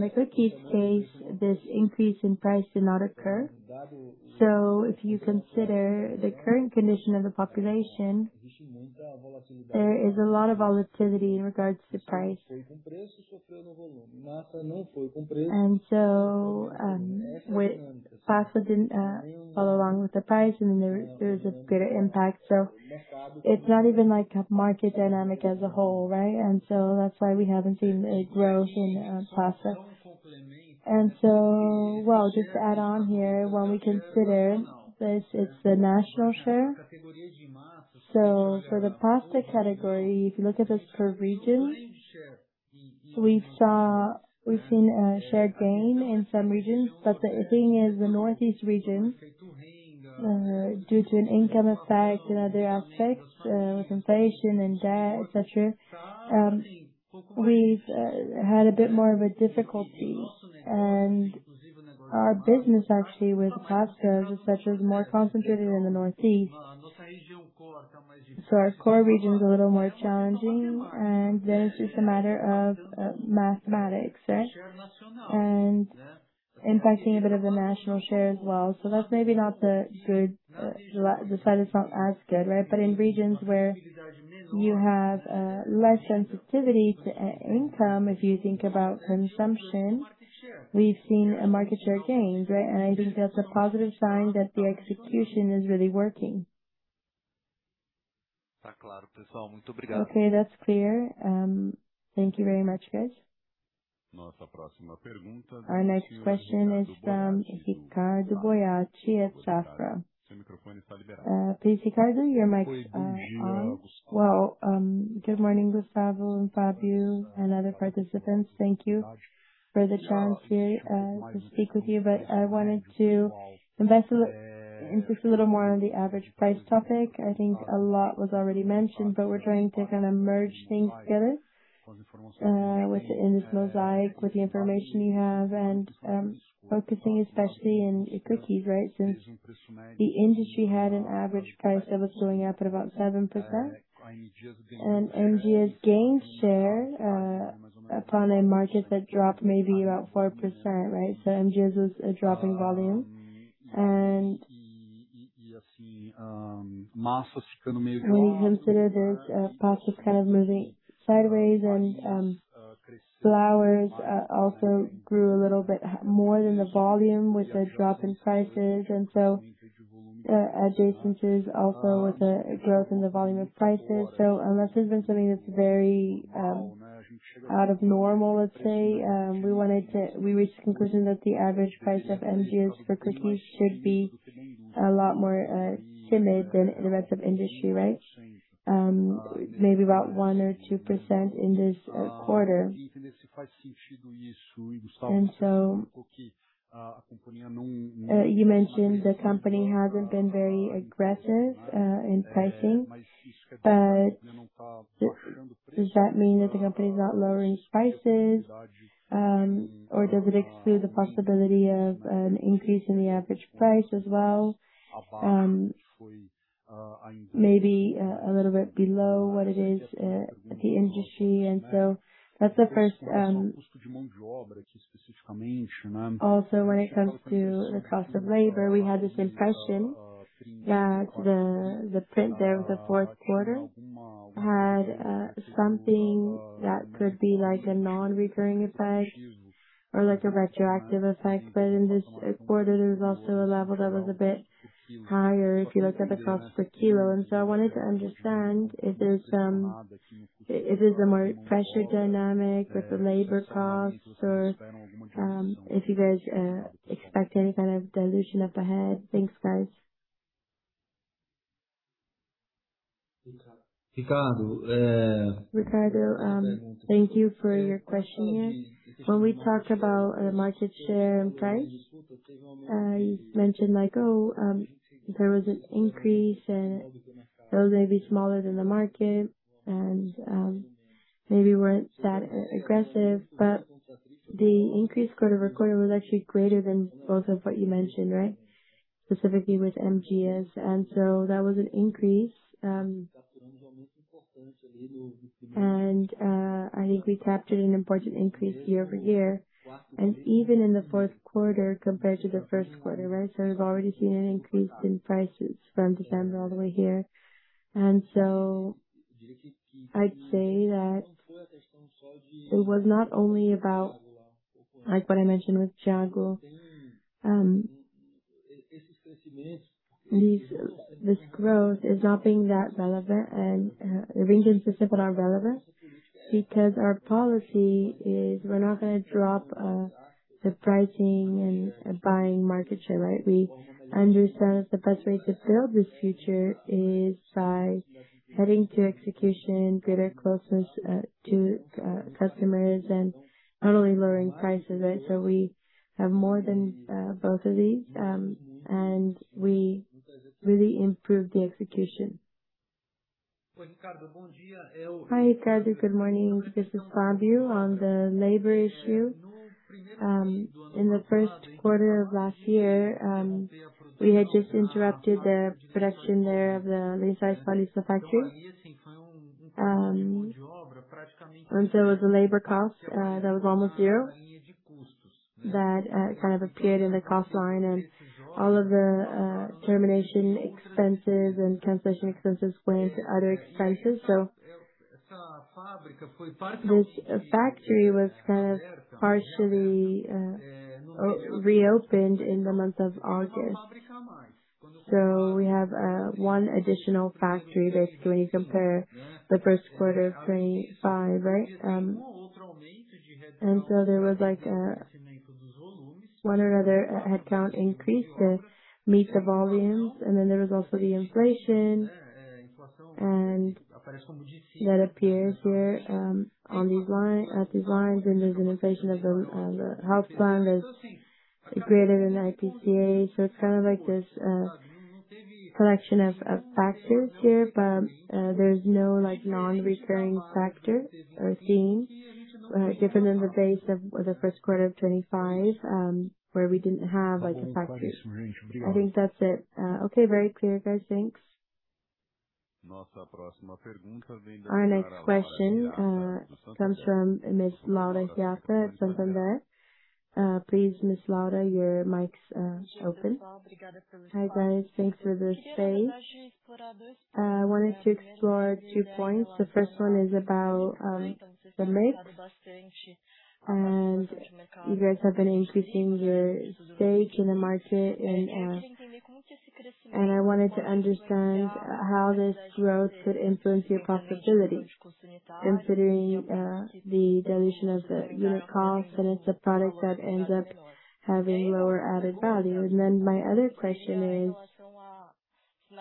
the cookies case, this increase in price did not occur. If you consider the current condition of the population, there is a lot of volatility in regards to price. Pasta didn't follow along with the price, and then there was this greater impact. It's not even like a market dynamic as a whole, right? That's why we haven't seen a growth in pasta. Just to add on here, when we consider this, it's the national share. For the pasta category, if you look at this per region, we've seen a share gain in some regions. The thing is the northeast region, due to an income effect and other aspects, with inflation and debt, et cetera, we've had a bit more of a difficulty. Our business actually with pasta is such as more concentrated in the northeast. Our core region is a little more challenging, and then it's just a matter of mathematics, right? Impacting a bit of the national share as well. That's maybe not the good, the side that's not as good, right? In regions where you have less sensitivity to income, if you think about consumption, we've seen a market share gain, right? I think that's a positive sign that the execution is really working. Okay, that's clear. Thank you very much, guys. Our next question is from Ricardo Boiati at Safra. Please, Ricardo, your mic's on. Well, good morning, Gustavo and Fabio and other participants. Thank you for the chance here to speak with you. I wanted to invest a little more on the average price topic. I think a lot was already mentioned, but we're trying to kinda merge things together in this mosaic with the information you have and focusing especially in cookies, right? Since the industry had an average price that was going up at about 7%. M. Dias gained share upon a market that dropped maybe about 4%, right? M. Dias was dropping volume. When you consider this, pasta's kind of moving sideways and flours also grew a little bit more than the volume with a drop in prices. Adjacencies also with a growth in the volume of prices. That has been something that's very out of normal, let's say. We reached the conclusion that the average price of M. Dias for cookies should be a lot more timid than the rest of industry, right? Maybe about 1% or 2% in this quarter. You mentioned the company hasn't been very aggressive in pricing. Does that mean that the company is not lowering prices? Does it exclude the possibility of an increase in the average price as well? Maybe a little bit below what it is at the industry. That's the first. Also, when it comes to the cost of labor, we had this impression that the print there of the fourth quarter had something that could be like a non-recurring effect or like a retroactive effect. In this quarter, there was also a level that was a bit higher if you look at the cost per kilo. I wanted to understand if there's a more pressure dynamic with the labor costs or if you guys expect any kind of dilution up ahead. Thanks, guys. Ricardo, thank you for your question here. When we talked about market share and price, I mentioned like if there was an increase it was maybe smaller than the market and maybe weren't that aggressive. The increase quarter-over-quarter was actually greater than both of what you mentioned, right? Specifically with M. Dias. That was an increase. I think we captured an important increase year-over-year and even in the fourth quarter compared to the first quarter, right? We've already seen an increase in prices from December all the way here. I'd say that it was not only about like what I mentioned with Thiago. This growth is not being that relevant and remains insignificant relevant because our policy is we're not gonna drop the pricing and buying market share, right? We understand the best way to build this future is by heading to execution, greater closeness to customers, not only lowering prices, right? We have more than both of these, we really improved the execution. Hi Ricardo, good morning. This is Fabio. On the labor issue, in the 1st quarter of last year, we had just interrupted the production there of the Lençóis Paulista factory. It was a labor cost that was almost zero. That kind of appeared in the cost line, all of the termination expenses and cancellation expenses went to other expenses. This factory was kind of partially reopened in the month of August. We have one additional factory there. When you compare the first quarter of 2025, right? There was like a one or other headcount increase to meet the volumes. There was also the inflation and that appears here at these lines. There's an inflation of the health plan that's greater than IPCA. It's kind of like this collection of factors here. There's no like non-recurring factor or theme different than the base of the first quarter of 2025, where we didn't have like a factory. I think that's it. Okay, very clear, guys. Thanks. Our next question, comes from Ms. Laura Hirata at Santander. Please, Miss Laura, your mic's, open. Hi, guys. Thanks for the space. I wanted to explore two points. The first one is about the mix. You guys have been increasing your stake in the market. I wanted to understand how this growth could influence your profitability, considering the dilution of the unit costs, and it's a product that ends up having lower added value. My other question is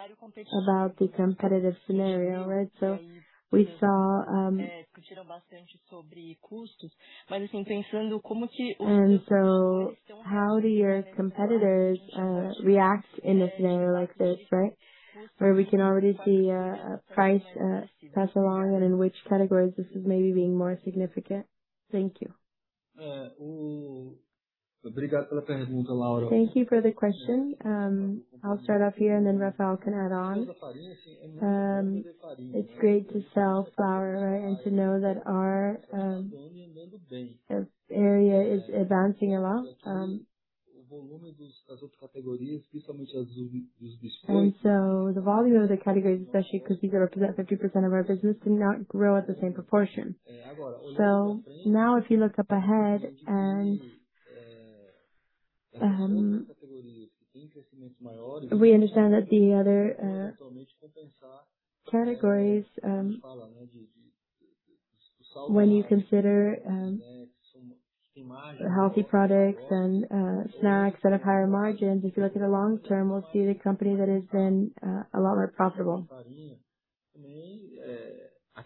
about the competitive scenario, right? We saw how do your competitors react in a scenario like this, right? Where we can already see a price pass along and in which categories this is maybe being more significant. Thank you. Thank you for the question. I'll start off here and then Fabio can add on. It's great to sell flour, right? To know that our area is advancing a lot. The volume of the categories, especially cookies that represent 50% of our business, did not grow at the same proportion. Now if you look up ahead, we understand that the other categories, when you consider healthy products and snacks that have higher margins. If you look at the long-term, we'll see the company that has been a lot more profitable. This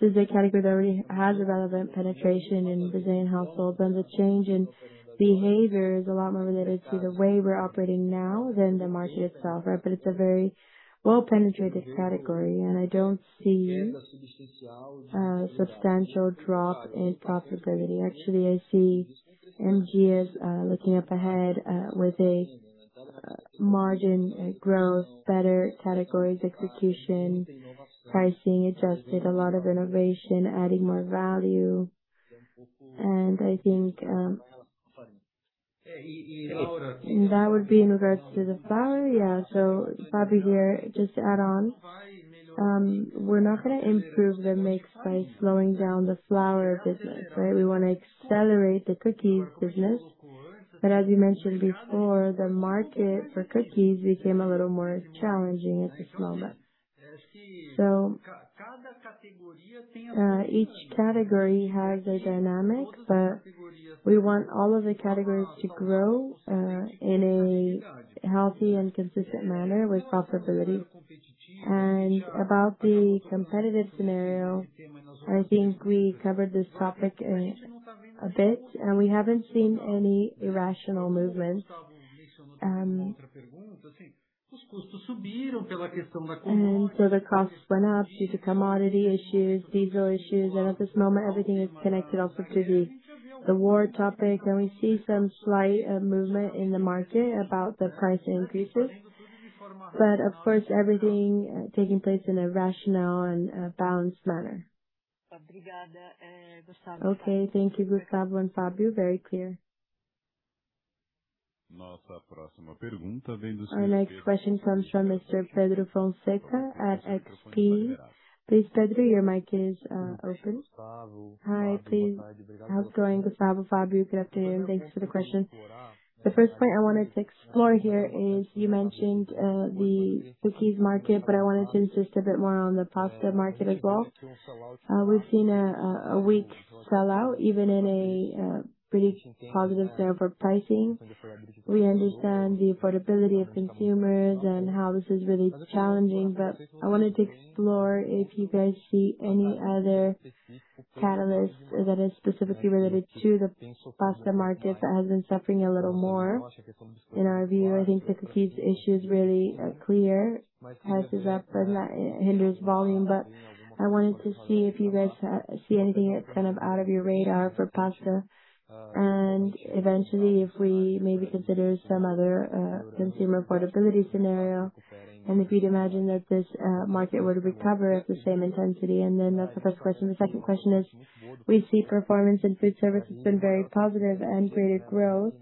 is a category that already has a relevant penetration in Brazilian households. The change in behavior is a lot more related to the way we're operating now than the market itself, right? It's a very well-penetrated category, and I don't see a substantial drop in profitability. Actually, I see M. Dias looking up ahead with a margin growth, better categories execution, pricing adjusted, a lot of innovation, adding more value. I think that would be in regards to the flour. Yeah. Fabio here, just to add on. We're not gonna improve the mix by slowing down the flour business, right? We wanna accelerate the cookies business. As you mentioned before, the market for cookies became a little more challenging at this moment. Each category has a dynamic, but we want all of the categories to grow in a healthy and consistent manner with profitability. About the competitive scenario, I think we covered this topic a bit, and we haven't seen any irrational movements. The costs went up due to commodity issues, diesel issues. At this moment, everything is connected also to the war topic. We see some slight movement in the market about the price increases. Of course, everything taking place in a rational and a balanced manner. Okay. Thank you, Gustavo and Fabio. Very clear. Our next question comes from Mr. Pedro Fonseca at XP. Please, Pedro, your mic is open. Hi, please. How's it going, Gustavo, Fabio? Good afternoon. Thanks for the question. The first point I wanted to explore here is you mentioned the cookies market. I wanted to insist a bit more on the pasta market as well. We've seen a weak sellout even in a pretty positive sale for pricing. We understand the affordability of consumers and how this is really challenging. I wanted to explore if you guys see any other catalyst that is specifically related to the pasta market that has been suffering a little more. In our view, I think the cookies issue is really clear. Price is up and that hinders volume. I wanted to see if you guys see anything that's out of your radar for pasta. Eventually, if we maybe consider some other consumer affordability scenario, and if you'd imagine that this market would recover at the same intensity. That's the first question. The second question is, we see performance in food service has been very positive and created growth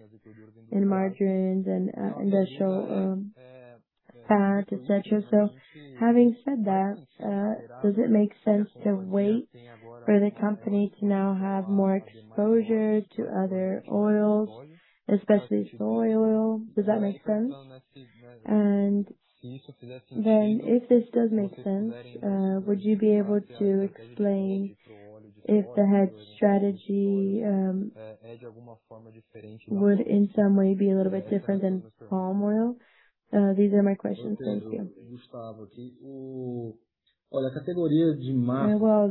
in margins and industrial fats, et cetera. Having said that, does it make sense to wait for the company to now have more exposure to other oils, especially soy oil? Does that make sense? If this does make sense, would you be able to explain if the hedge strategy would in some way be a little bit different than palm oil? These are my questions. Thanks to you. Well,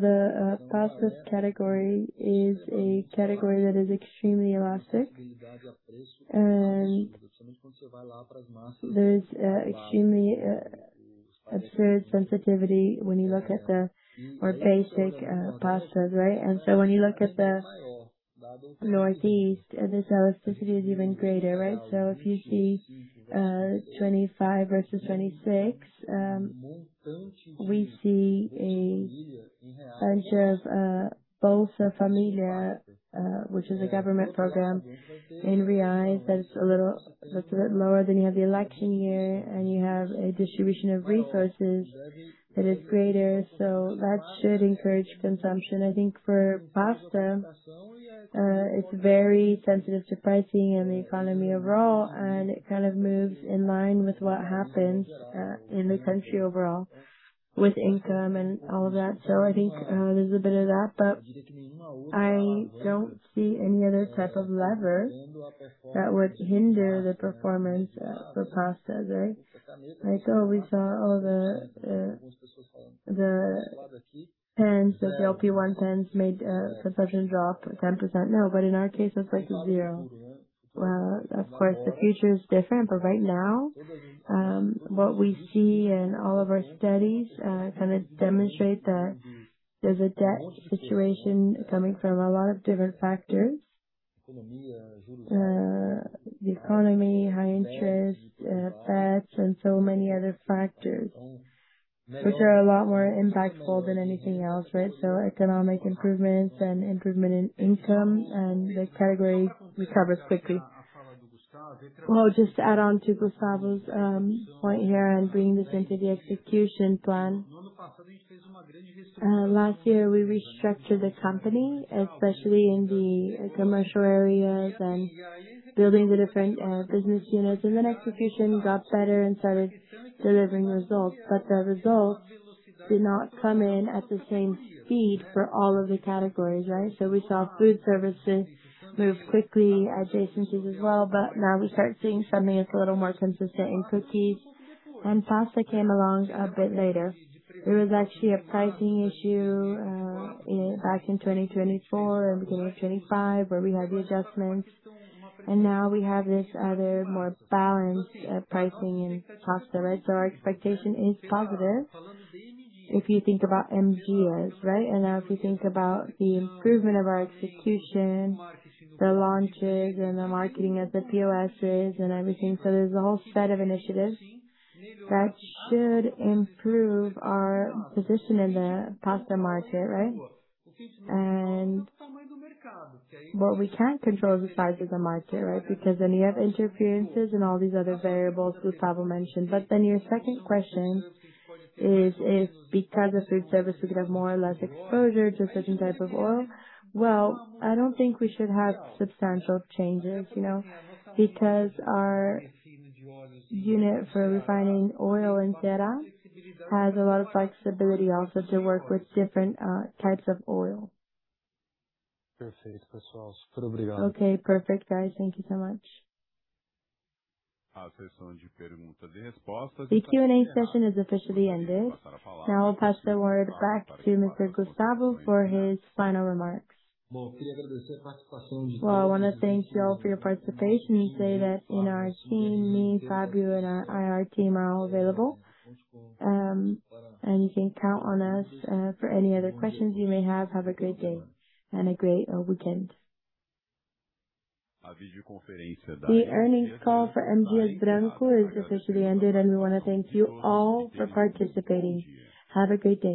the pasta category is a category that is extremely elastic and there's extremely a serious sensitivity when you look at the more basic pastas, right? When you look at the Northeast, this elasticity is even greater, right? If you see 2025 versus 2026, we see a bunch of Bolsa Família, which is a government program in Real that's a bit lower. You have the election year, and you have a distribution of resources that is greater. That should encourage consumption. I think for pasta, it's very sensitive to pricing and the economy overall, and it kind of moves in line with what happens in the country overall with income and all that. I think there's a bit of that, but I don't see any other type of lever that would hinder the performance for pastas, right? Like, we saw all the 10s, the LP 110s made a substantial drop of 10%. In our case, it's like 0. Of course, the future is different. Right now, what we see in all of our studies kind of demonstrate that there's a debt situation coming from a lot of different factors. The economy, high interest, debts, and so many other factors which are a lot more impactful than anything else, right? Economic improvements and improvement in income and the category recovers quickly. Well, just to add on to Gustavo's point here and bringing this into the execution plan. Last year, we restructured the company, especially in the commercial areas and building the different business units. Execution got better and started delivering results. The results did not come in at the same speed for all of the categories, right? We saw food services move quickly, adjacencies as well. We start seeing something that's a little more consistent in cookies and pasta came along a bit later. There was actually a pricing issue back in 2024 and beginning of 2025 where we had the adjustments, and now we have this other more balanced pricing in pasta, right? Our expectation is positive if you think about M. Dias, right? If you think about the improvement of our execution, the launches and the marketing at the POSs and everything. There's a whole set of initiatives that should improve our position in the pasta market, right? What we can't control is the size of the market, right? You have interferences and all these other variables Gustavo mentioned. Your second question is, if because of food service, we could have more or less exposure to a certain type of oil. I don't think we should have substantial changes, you know, because our unit for refining oil in Ceará has a lot of flexibility also to work with different types of oil. Okay. Perfect, guys. Thank you so much. The Q&A session is officially ended. I'll pass the word back to Mr. Gustavo for his final remarks. I wanna thank you all for your participation and say that in our team, me, Fabio, and our IR team are all available. You can count on us for any other questions you may have. Have a great day and a great weekend. The earnings call for M. Dias Branco is officially ended, and we wanna thank you all for participating. Have a great day.